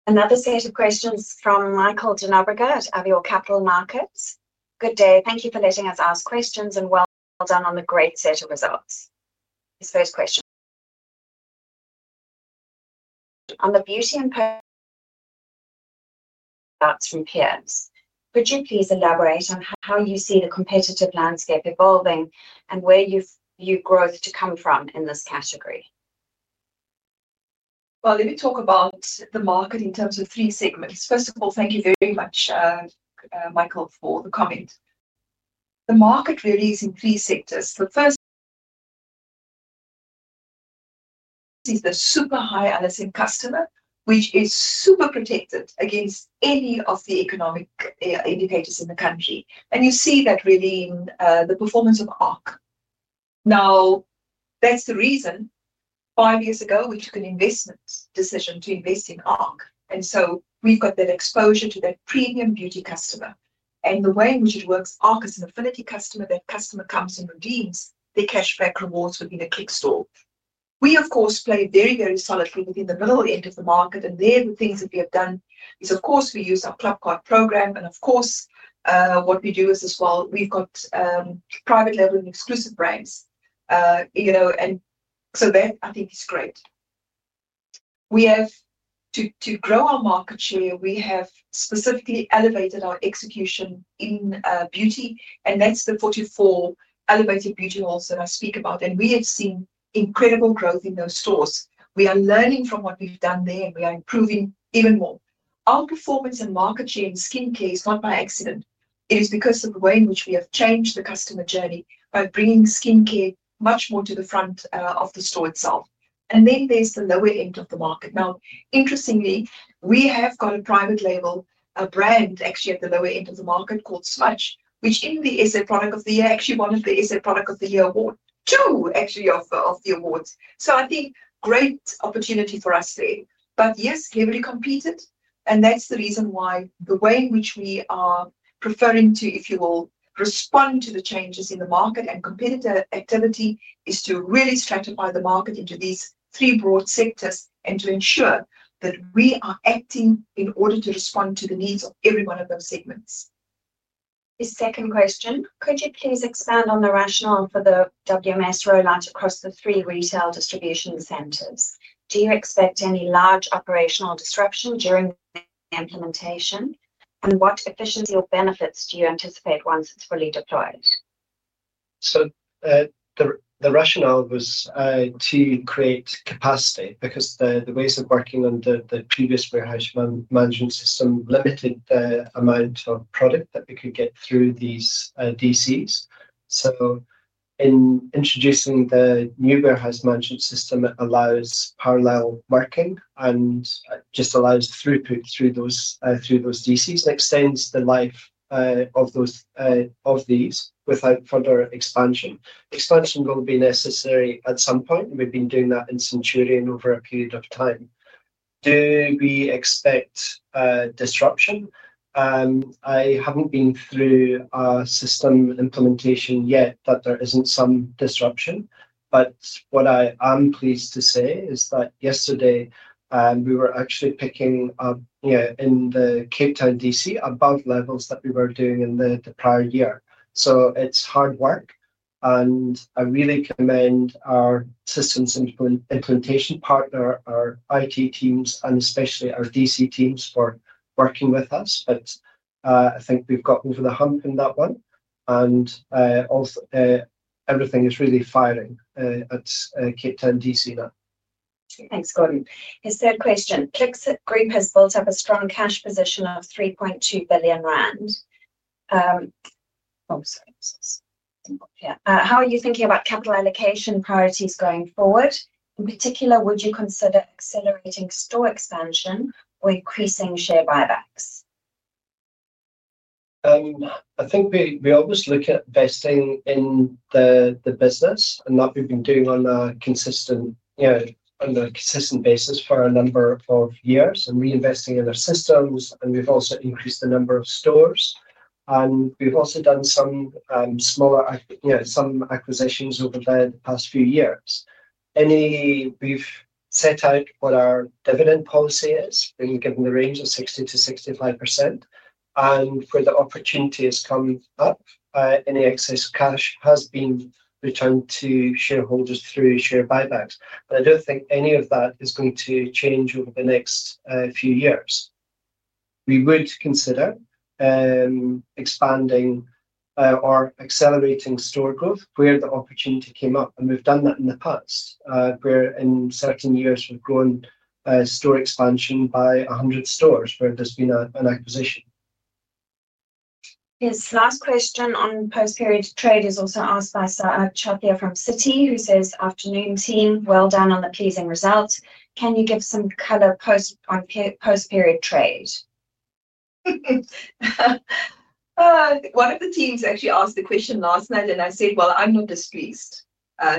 Another set of questions from Michael Fleming at Avior Capital Markets. Good day, thank you for letting us ask questions and well done on the great set of results. His first question on the beauty and perks from pairs. Could you please elaborate on how you see the competitive landscape evolving and where you view growth to come from in this category? Let me talk about the market in terms of three segments. First of all, thank you very much, Michael, for the comment. The market really is in three sectors. The first is the super high LSM customer, which is super protected against any of the economic indicators in the country. You see that really in the performance of Ark. That's the reason five years ago we took an investment decision to invest in Ark. We've got that exposure to that premium beauty customer. The way in which it works, Ark is an affinity customer. That customer comes and redeems their cashback rewards within a Clicks store. We, of course, play very, very solidly within the middle end of the market. The things that we have done is, of course, we use our Clubcard program. What we do as well, we've got private-label and exclusive brands. I think that is great. To grow our market share, we have specifically elevated our execution in beauty. That's the 44 elevated beauty halls that I speak about. We have seen incredible growth in those stores. We are learning from what we've done there, and we are improving even more. Our performance and market share in skincare is not by accident. It is because of the way in which we have changed the customer journey by bringing skincare much more to the front of the store itself. Then there's the lower end of the market. Interestingly, we have got a private-label brand actually at the lower end of the market called Smudge, which in the SA Product of the Year actually won two of the SA Product of the Year awards. I think great opportunity for us there. Yes, heavily competed. That's the reason why the way in which we are preferring to, if you will, respond to the changes in the market and competitor activity is to really stratify the market into these three broad sectors and to ensure that we are acting in order to respond to the needs of every one of those segments. His second question, could you please expand on the rationale for the warehouse management systems rollout across the three retail distribution centers? Do you expect any large operational disruption during the implementation? What efficiency or benefits do you anticipate once it's fully deployed? The rationale was to create capacity because the ways of working on the previous warehouse management system limited the amount of product that we could get through these DCs. In introducing the new warehouse management system, it allows parallel working and just allows throughput through those DCs and extends the life of those without further expansion. Expansion will be necessary at some point, and we've been doing that in Centurion over a period of time. Do we expect disruption? I haven't been through our system implementation yet that there isn't some disruption. What I am pleased to say is that yesterday we were actually picking up, you know, in the Cape Town DC above levels that we were doing in the prior year. It's hard work. I really commend our systems implementation partner, our IT teams, and especially our DC teams for working with us. I think we've got over the hump in that one. Everything is really firing at Cape Town DC now. Thanks, Gordon. His third question, Clicks Group has built up a strong cash position of 3.2 billion rand. How are you thinking about capital allocation priorities going forward? In particular, would you consider accelerating store expansion or increasing share buybacks? I think we always look at investing in the business, and that we've been doing on a consistent basis for a number of years, and reinvesting in our systems. We've also increased the number of stores. We've also done some smaller, you know, some acquisitions over the past few years. We've set out what our dividend policy is, being given the range of 60 to 65%. Where the opportunity has come up, any excess cash has been returned to shareholders through share buybacks. I don't think any of that is going to change over the next few years. We would consider expanding or accelerating store growth where the opportunity came up. We've done that in the past, where in certain years we've grown store expansion by 100 stores where there's been an acquisition. His last question on post-period trade is also asked by Sara Chopia from Citi, who says, "Afternoon team, well done on the pleasing result. Can you give some color post-period trade? One of the teams actually asked the question last night, and I said, "I'm not displeased."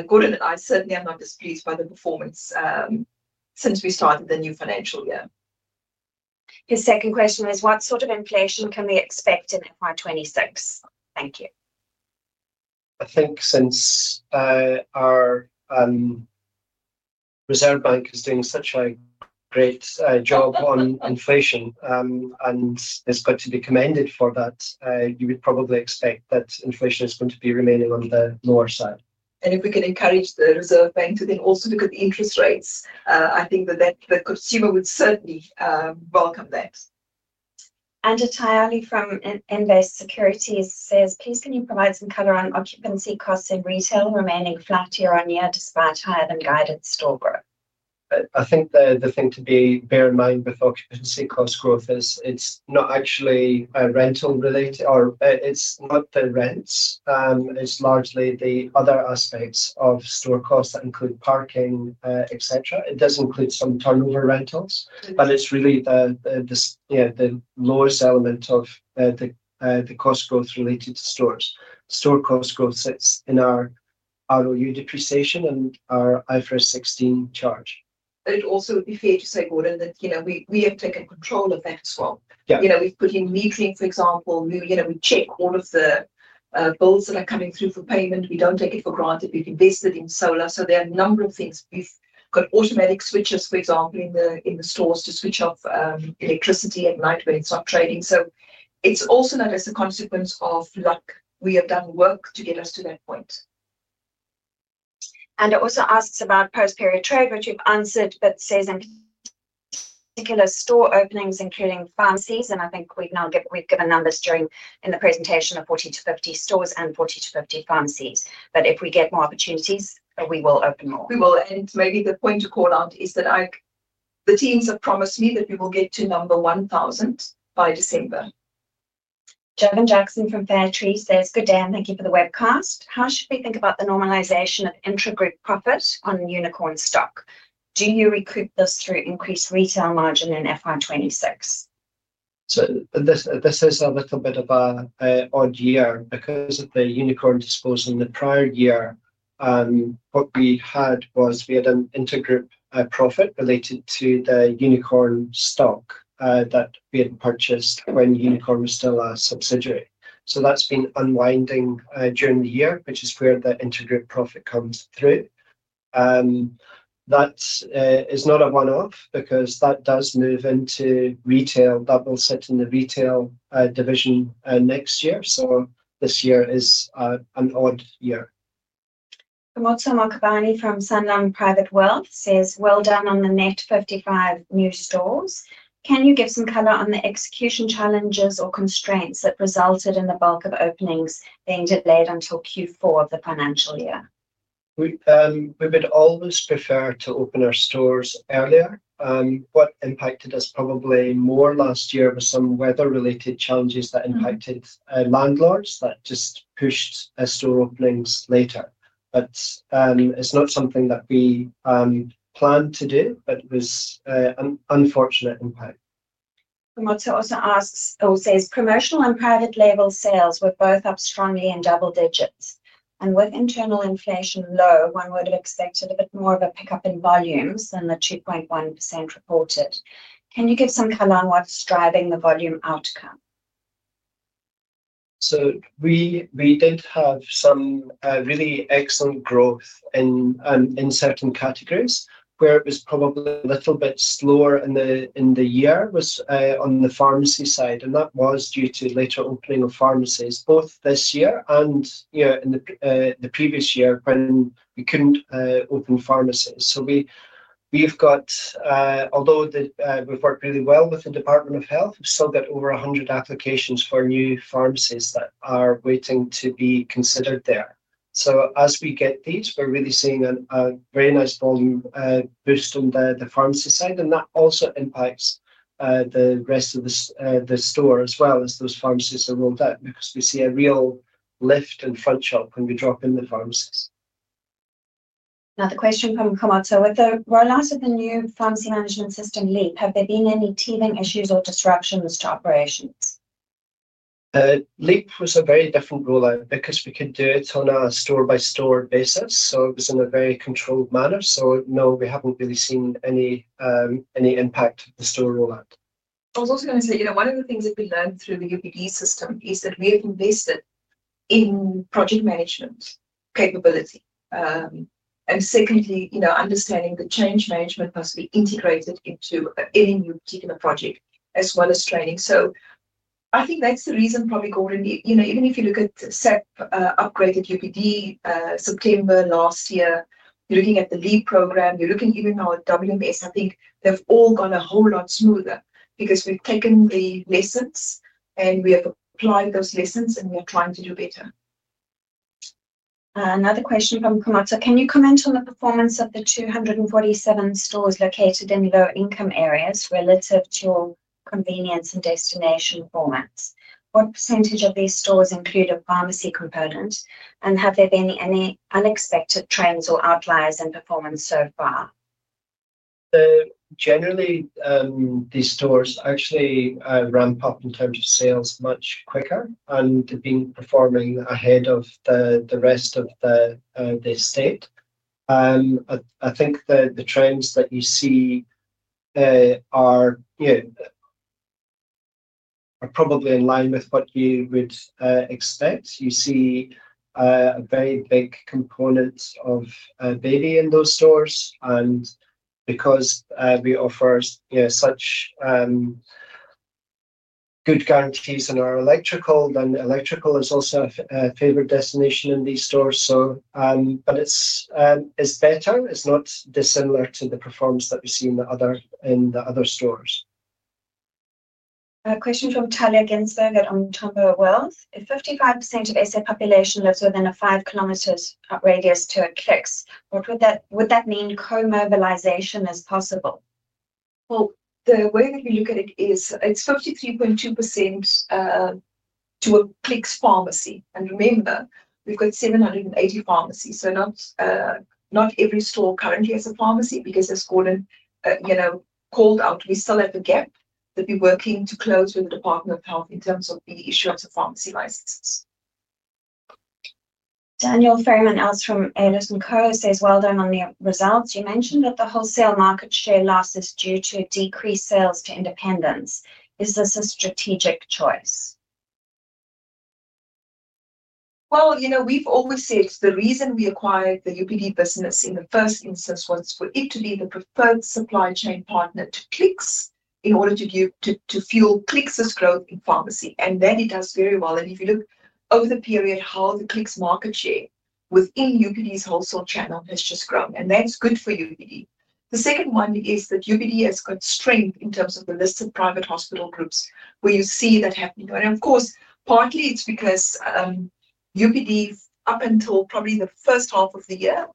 Gordon and I certainly are not displeased by the performance since we started the new financial year. His second question is, "What sort of inflation can we expect in FY 2026?" Thank you. I think since our Reserve Bank is doing such a great job on inflation, and it's good to be commended for that, you would probably expect that inflation is going to be remaining on the lower side. If we could encourage the Reserve Bank to then also look at the interest rates, I think that the consumer would certainly welcome that. Attayali from Invest Securities says, "Please, can you provide some color on occupancy costs in retail remaining flat year on year despite higher than guided store growth? I think the thing to bear in mind with occupancy cost growth is it's not actually rental related, or it's not the rents. It's largely the other aspects of store costs that include parking, etc. It does include some turnover rentals, but it's really the lowest element of the cost growth related to stores. Store cost growth sits in our ROU depreciation and our IFRS 16 charge. I'd also be fair to say, Gordon, that you know we have taken control of that as well. We've put in metering, for example. We check all of the bills that are coming through for payment. We don't take it for granted. We've invested in solar. There are a number of things. We've got automatic switches, for example, in the stores to switch off electricity at night when it's not trading. It's also not as a consequence of luck. We have done work to get us to that point. It also asks about post-period trade, which we've answered, but says, "In particular store openings, including pharmacies," and I think we've now given numbers during the presentation of 40-50 stores and 40-50 pharmacies. If we get more opportunities, we will open more. Maybe the point to call out is that the teams have promised me that we will get to number 1,000 by December. Jovan Jackson from Fairtree says, "Good day and thank you for the webcast. How should we think about the normalization of intra-group profit on unicorn stock? Do you recoup this through increased retail margin in FY 2026? This is a little bit of an odd year because of the unicorn disposal. In the prior year, what we had was we had an intergroup profit related to the unicorn stock that we had purchased when Unicorn was still a subsidiary. That's been unwinding during the year, which is where the intergroup profit comes through. That is not a one-off because that does move into retail. That will sit in the retail division next year. This year is an odd year. Kamal Samakabani from Sunlong Private Wealth says, "Well done on the net 55 new stores. Can you give some color on the execution challenges or constraints that resulted in the bulk of openings being delayed until Q4 of the financial year? We would always prefer to open our stores earlier. What impacted us probably more last year was some weather-related challenges that impacted landlords, which just pushed store openings later. It's not something that we planned to do, but it was an unfortunate impact. Kamal also asks or says, "Commercial and private-label sales were both up strongly in double digits. With internal inflation low, one would have expected a bit more of a pickup in volumes than the 2.1% reported. Can you give some color on what's driving the volume outcome? We did have some really excellent growth in certain categories. Where it was probably a little bit slower in the year was on the pharmacy side, and that was due to later opening of pharmacies, both this year and in the previous year when we couldn't open pharmacies. We've got, although we've worked really well with the Department of Health, we've still got over 100 applications for new pharmacies that are waiting to be considered there. As we get these, we're really seeing a very nice volume boost on the pharmacy side, and that also impacts the rest of the store as well as those pharmacies that are rolled out because we see a real lift in front shop when we drop in the pharmacies. Another question from Kamal, "With the rollout of the new pharmacy management system, LEAP, have there been any teething issues or disruptions to operations? LEAP was a very different rollout because we could do it on a store-by-store basis. It was in a very controlled manner. No, we haven't really seen any impact of the store rollout. I was also going to say, you know, one of the things that we learned through the UPD system is that we have invested in project management capability. Secondly, you know, understanding that change management must be integrated into any new particular project, as well as training. I think that's the reason, probably, Gordon, you know, even if you look at the SEP upgraded UPD September last year, you're looking at the LEAP program, you're looking even now at warehouse management systems. I think they've all gone a whole lot smoother because we've taken the lessons and we have applied those lessons and we are trying to do better. Another question from Kamal: "Can you comment on the performance of the 247 stores located in low-income areas relative to convenience and destination formats? What percentage of these stores include a pharmacy component? Have there been any unexpected trends or outliers in performance so far? Generally, these stores actually ramp up in terms of sales much quicker and have been performing ahead of the rest of the state. I think the trends that you see are probably in line with what you would expect. You see a very big component of baby in those stores. Because we offer such good guarantees in our electrical, electrical is also a favored destination in these stores. It's not dissimilar to the performance that we see in the other stores. A question from Talia Ginsberg at Oumtomba Wealth. "If 55% of SA population lives within a 5 km radius to a Clicks, would that mean co-mobilization is possible? The way that we look at it is it's 53.2% to a Clicks pharmacy. Remember, we've got 780 pharmacies. Not every store currently has a pharmacy because, as Gordon called out, we still have a gap that we're working to close with the Department of Health in terms of the issue of the pharmacy licenses. Daniel Fairman Else from Aylers & Co says, "Well done on the results. You mentioned that the wholesale market share loss is due to decreased sales to independents. Is this a strategic choice? We've always said the reason we acquired the UPD business in the first instance was for it to be the preferred supply chain partner to Clicks in order to fuel Clicks' growth in pharmacy. That it does very well. If you look over the period, how the Clicks market share within UPD's wholesale channel has just grown, that's good for UPD. The second one is that UPD has got strength in terms of the list of private hospital groups where you see that happening. Of course, partly it's because UPD, up until probably the first half of the year,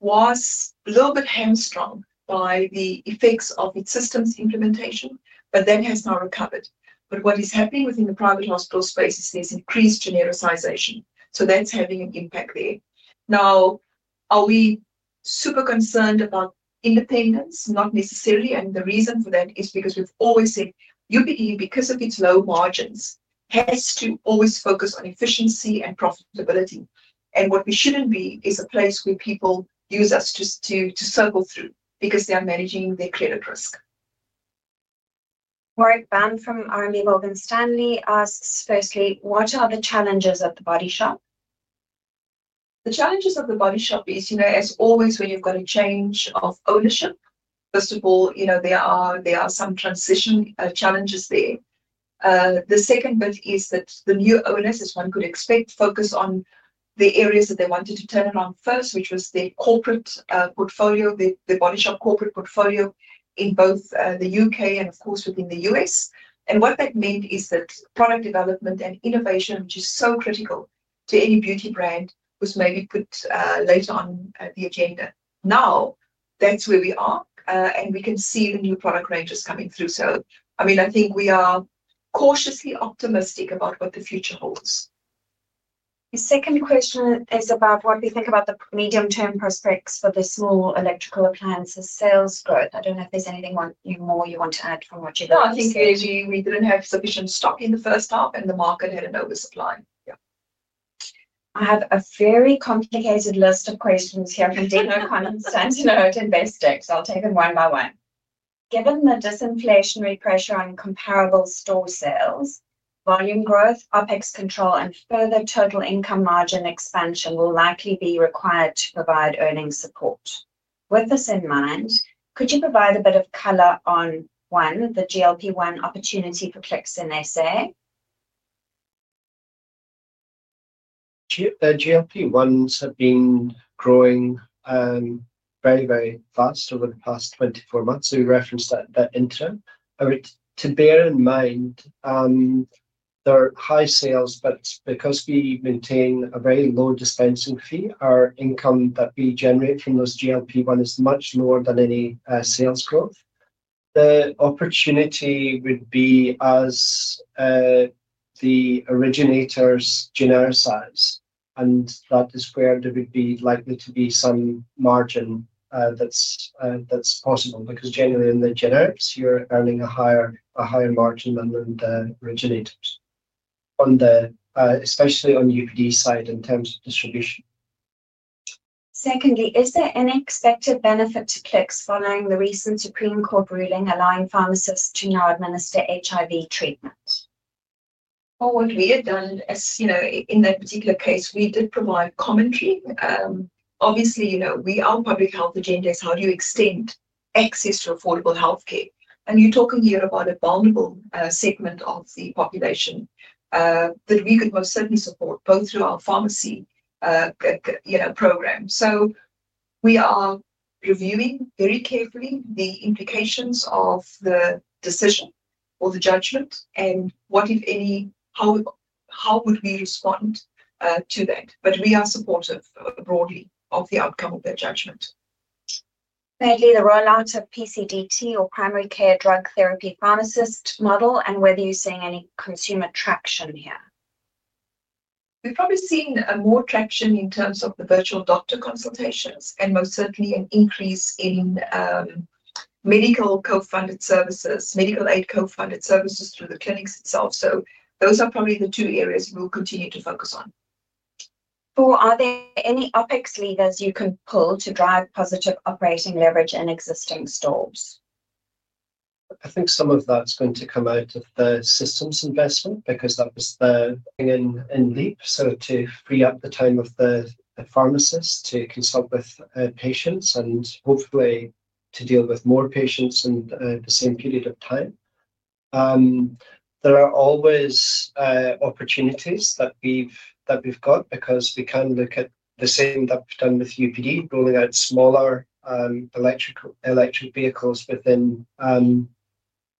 was a little bit hamstrung by the effects of its systems implementation, but that has now recovered. What is happening within the private hospital space is there's increased genericization, so that's having an impact there. Are we super concerned about independents? Not necessarily. The reason for that is because we've always said UPD, because of its low margins, has to always focus on efficiency and profitability. What we shouldn't be is a place where people use us to circle through because they are managing their credit risk. Warrick Bann from Morgan Stanley. Firstly, What are the challenges at The Body Shop? The challenges of The Body Shop is, you know, as always, when you've got a change of ownership. First of all, you know, there are some transition challenges there. The second bit is that the new owners, as one could expect, focused on the areas that they wanted to turn around first, which was the corporate portfolio, The Body Shop corporate portfolio in both the U.K. and, of course, within the U.S.. What that meant is that product development and innovation, which is so critical to any beauty brand, was maybe put later on the agenda. Now that's where we are, and we can see the new product ranges coming through. I think we are cautiously optimistic about what the future holds. The second question is about what we think about the medium-term prospects for the small electrical appliances sales growth. I don't know if there's anything more you want to add from what you've got. No, I think maybe we didn't have sufficient stock in the first half, and the market had an oversupply. I have a very complicated list of questions here from Dino Cummins sent to Investec. I'll take them one by one. Given the disinflationary pressure on comparable store sales, volume growth, OpEx control, and further total income margin expansion will likely be required to provide earnings support. With this in mind, could you provide a bit of color on, one, the GLP-1 opportunity for Clicks and SA? GLP-1s have been growing very, very fast over the past 24 months. We referenced that at interim. To bear in mind, there are high sales, but because we maintain a very low dispensing fee, our income that we generate from those GLP-1s is much lower than any sales growth. The opportunity would be as the originators genericize, and that is where there would be likely to be some margin that's possible because generally in the generics, you're earning a higher margin than in the originators, especially on UPD side in terms of distribution. Secondly, is there an expected benefit to Clicks following the recent Supreme Court ruling allowing pharmacists to now administer HIV treatment? In that particular case, we did provide commentary. Obviously, our public health agenda is how do you extend access to affordable healthcare. You're talking here about a vulnerable segment of the population that we could most certainly support both through our pharmacy program. We are reviewing very carefully the implications of the decision or the judgment and what, if any, how would we respond to that. We are supportive broadly of the outcome of that judgment. Mainly, the rollout of PCDT or Primary Care Drug Therapy Pharmacist Model, and whether you're seeing any consumer traction here. We've probably seen more traction in terms of the virtual doctor consultations, and most certainly an increase in medical aid co-funded services through the clinics itself. Those are probably the two areas we will continue to focus on. Four, are there any OpEx levers you can pull to drive positive operating leverage in existing stores? I think some of that is going to come out of the systems investment because that was the thing in LEAP. To free up the time of the pharmacist to consult with patients and hopefully to deal with more patients in the same period of time. There are always opportunities that we've got because we can look at the same that we've done with UPD, rolling out smaller electric vehicles within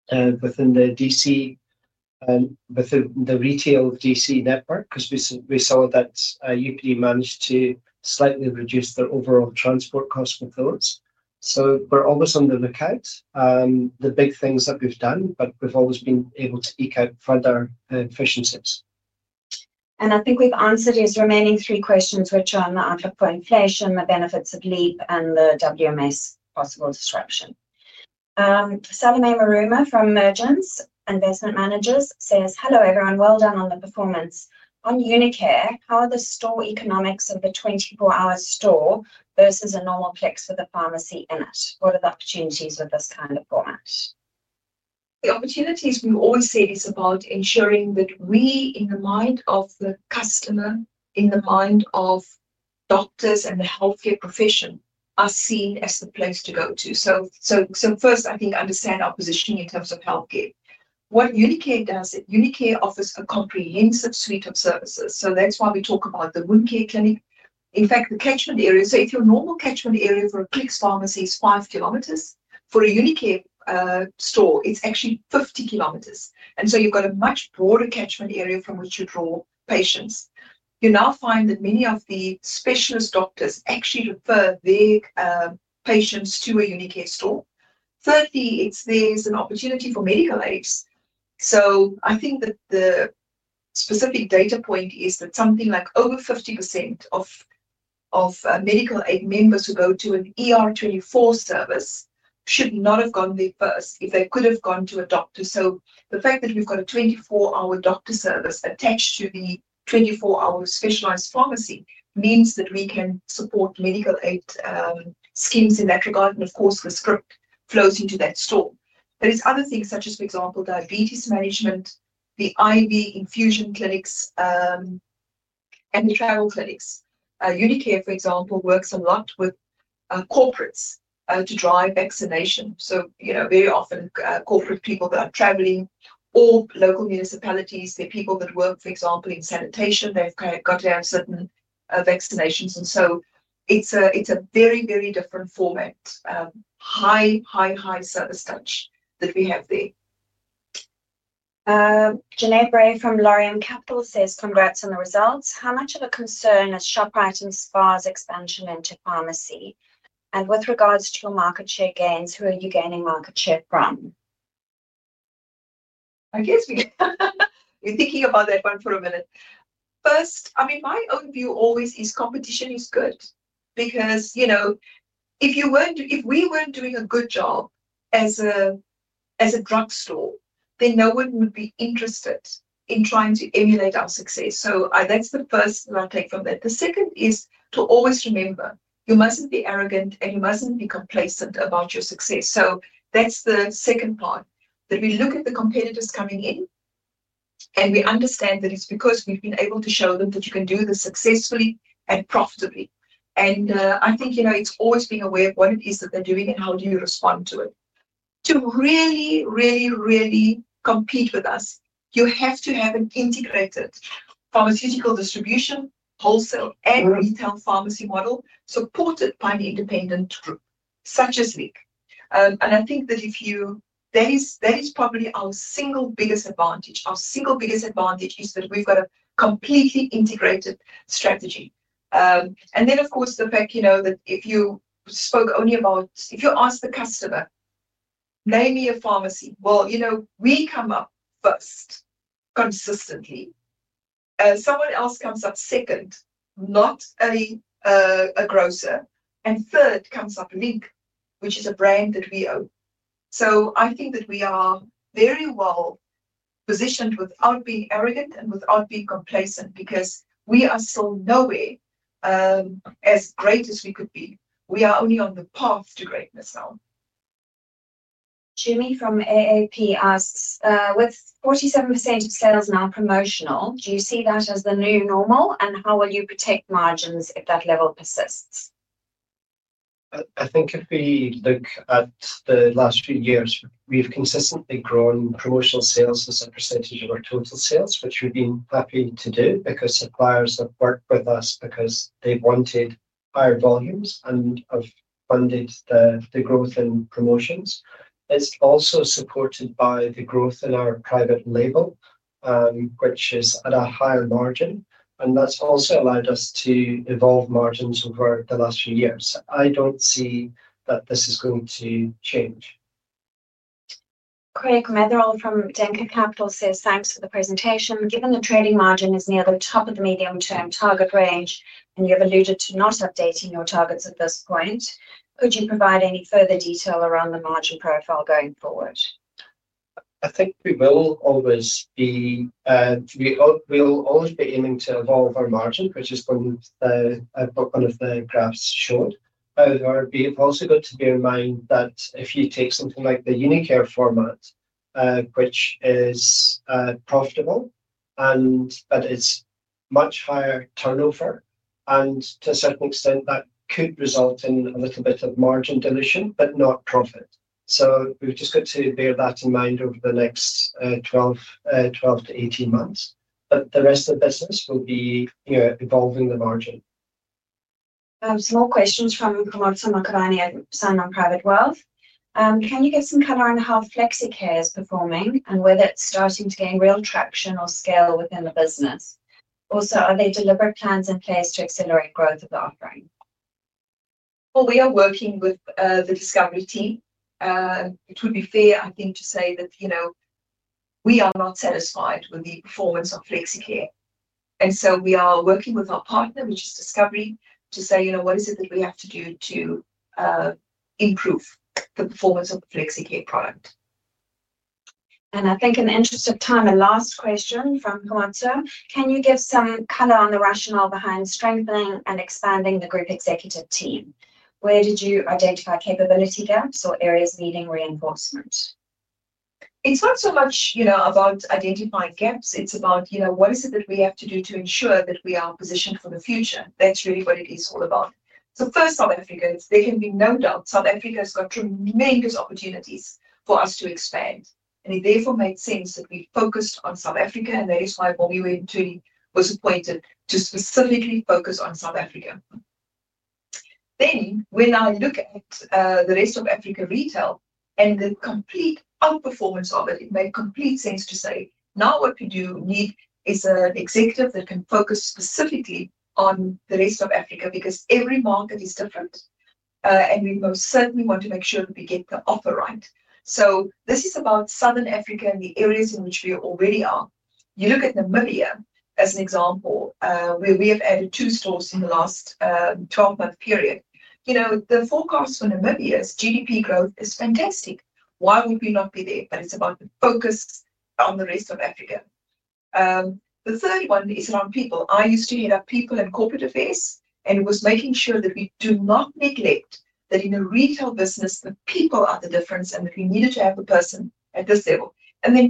the DC, within the retail DC network because we saw that UPD managed to slightly reduce their overall transport costs with those. We're always on the lookout for the big things that we've done, but we've always been able to eke out further efficiencies. I think we've answered these remaining three questions, which are on the outlook for inflation, the benefits of LEAP, and the warehouse management systems possible disruption. Salome Marouma from Mergens Investment Managers says, "Hello, everyone. Well done on the performance. On UniCare, how are the store economics of the 24-hour store versus a normal Clicks with a pharmacy in it? What are the opportunities with this kind of format? The opportunities we always see are about ensuring that we, in the mind of the customer, in the mind of doctors and the healthcare profession, are seen as the place to go to. First, I think understand our positioning in terms of healthcare. What UniCare does is UniCare offers a comprehensive suite of services. That's why we talk about the wound care clinic. In fact, the catchment area, if your normal catchment area for a Clicks pharmacy is five kilometers, for a UniCare store, it's actually 50 km. You've got a much broader catchment area from which you draw patients. You now find that many of the specialist doctors actually refer their patients to a UniCare store. Thirdly, there's an opportunity for medical aids. I think that the specific data point is that something like over 50% of medical aid members who go to a 24-hour service should not have gone there first if they could have gone to a doctor. The fact that we've got a 24-hour doctor service attached to the 24-hour specialized pharmacy means that we can support medical aid schemes in that regard. Of course, the script flows into that store. There are other things such as, for example, diabetes management, the IV infusion clinics, and the travel clinics. UniCare, for example, works a lot with corporates to drive vaccination. Very often corporate people that are traveling or local municipalities, the people that work, for example, in sanitation, they've got to have certain vaccinations. It's a very, very different format, high, high, high service touch that we have there. Janee Bray from Loriam Capital says, "Congrats on the results. How much of a concern is Shoprite and SPAR's expansion into pharmacy? With regards to your market share gains, who are you gaining market share from? I guess we're thinking about that one for a minute. First, I mean, my own view always is competition is good because, you know, if we weren't doing a good job as a drugstore, then no one would be interested in trying to emulate our success. That's the first thing I take from that. The second is to always remember you mustn't be arrogant and you mustn't be complacent about your success. That's the second part, that we look at the competitors coming in and we understand that it's because we've been able to show them that you can do this successfully and profitably. I think it's always being aware of what it is that they're doing and how do you respond to it. To really, really, really compete with us, you have to have an integrated pharmaceutical distribution, wholesale, and retail pharmacy model supported by an independent group such as LEAP. I think that is probably our single biggest advantage. Our single biggest advantage is that we've got a completely integrated strategy. Of course, if you spoke only about, if you ask the customer, "Name me a pharmacy," you know, we come up first consistently. Someone else comes up second, not a grocer. Third comes up LEAP, which is a brand that we own. I think that we are very well positioned without being arrogant and without being complacent because we are still nowhere as great as we could be. We are only on the path to greatness now. Jamie from AAP asks, "With 47% of sales now promotional, do you see that as the new normal? How will you protect margins if that level persists? I think if we look at the last few years, we've consistently grown promotional sales as a percentage of our total sales, which we've been happy to do because suppliers have worked with us because they've wanted higher volumes and have funded the growth in promotions. It's also supported by the growth in our private-label and exclusive brands, which is at a higher margin. That's also allowed us to evolve margins over the last few years. I don't see that this is going to change. Craig Meadowall from Denka Capital says, "Thanks for the presentation. Given the trading margin is near the top of the medium-term target range, and you have alluded to not updating your targets at this point, could you provide any further detail around the margin profile going forward? I think we will always be, we will always be aiming to evolve our margin, which is one of the graphs showed. However, we've also got to bear in mind that if you take something like the UniCare 24-hour pharmacy format, which is profitable, but it's much higher turnover, and to a certain extent, that could result in a little bit of margin dilution, not profit. We've just got to bear that in mind over the next 12-18 months. The rest of the business will be, you know, evolving the margin. Some more questions from Kumarta Mukhuvani at Sanon Private Wealth. "Can you give some color on how FlexiCare is performing and whether it's starting to gain real traction or scale within the business? Also, are there deliberate plans in place to accelerate growth of the offering? We are working with the Discovery team. It would be fair, I think, to say that we are not satisfied with the performance of FlexiCare. We are working with our partner, which is Discovery, to say, you know, what is it that we have to do to improve the performance of the FlexiCare product? I think in the interest of time, a last question from Kumarta. "Can you give some color on the rationale behind strengthening and expanding the group executive team? Where did you identify capability gaps or areas needing reinforcement? It's not so much about identifying gaps. It's about what is it that we have to do to ensure that we are positioned for the future. That's really what it is all about. First, South Africa, there can be no doubt South Africa has got tremendous opportunities for us to expand. It therefore made sense that we focused on South Africa, and that is why Bobby Wain-Tooley was appointed to specifically focus on South Africa. When I look at the rest of Africa retail and the complete outperformance of it, it made complete sense to say, now what we do need is an executive that can focus specifically on the rest of Africa because every market is different. We most certainly want to make sure that we get the offer right. This is about Southern Africa and the areas in which we already are. You look at Namibia as an example, where we have added two stores in the last 12-month period. The forecast for Namibia's GDP growth is fantastic. Why would we not be there? It's about the focus on the rest of Africa. The third one is around people. I used to head up People and Corporate Affairs and was making sure that we do not neglect that in a retail business, the people are the difference and that we needed to have a person at this level.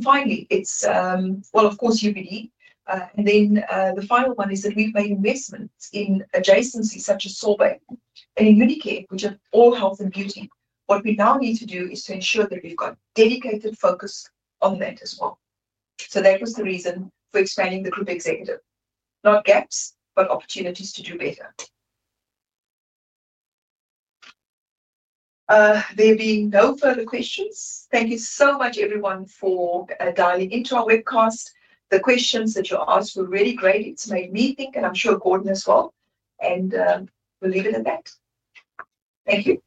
Finally, it's, of course, UPD. The final one is that we've made investments in adjacencies such as Sorbet stores and UniCare, which are all health and beauty. What we now need to do is to ensure that we've got dedicated focus on that as well. That was the reason for expanding the group executive, not gaps, but opportunities to do better. There being no further questions. Thank you so much, everyone, for dialing into our webcast. The questions that you asked were really great. It's made me think, and I'm sure Gordon as well. We'll leave it at that. Thank you.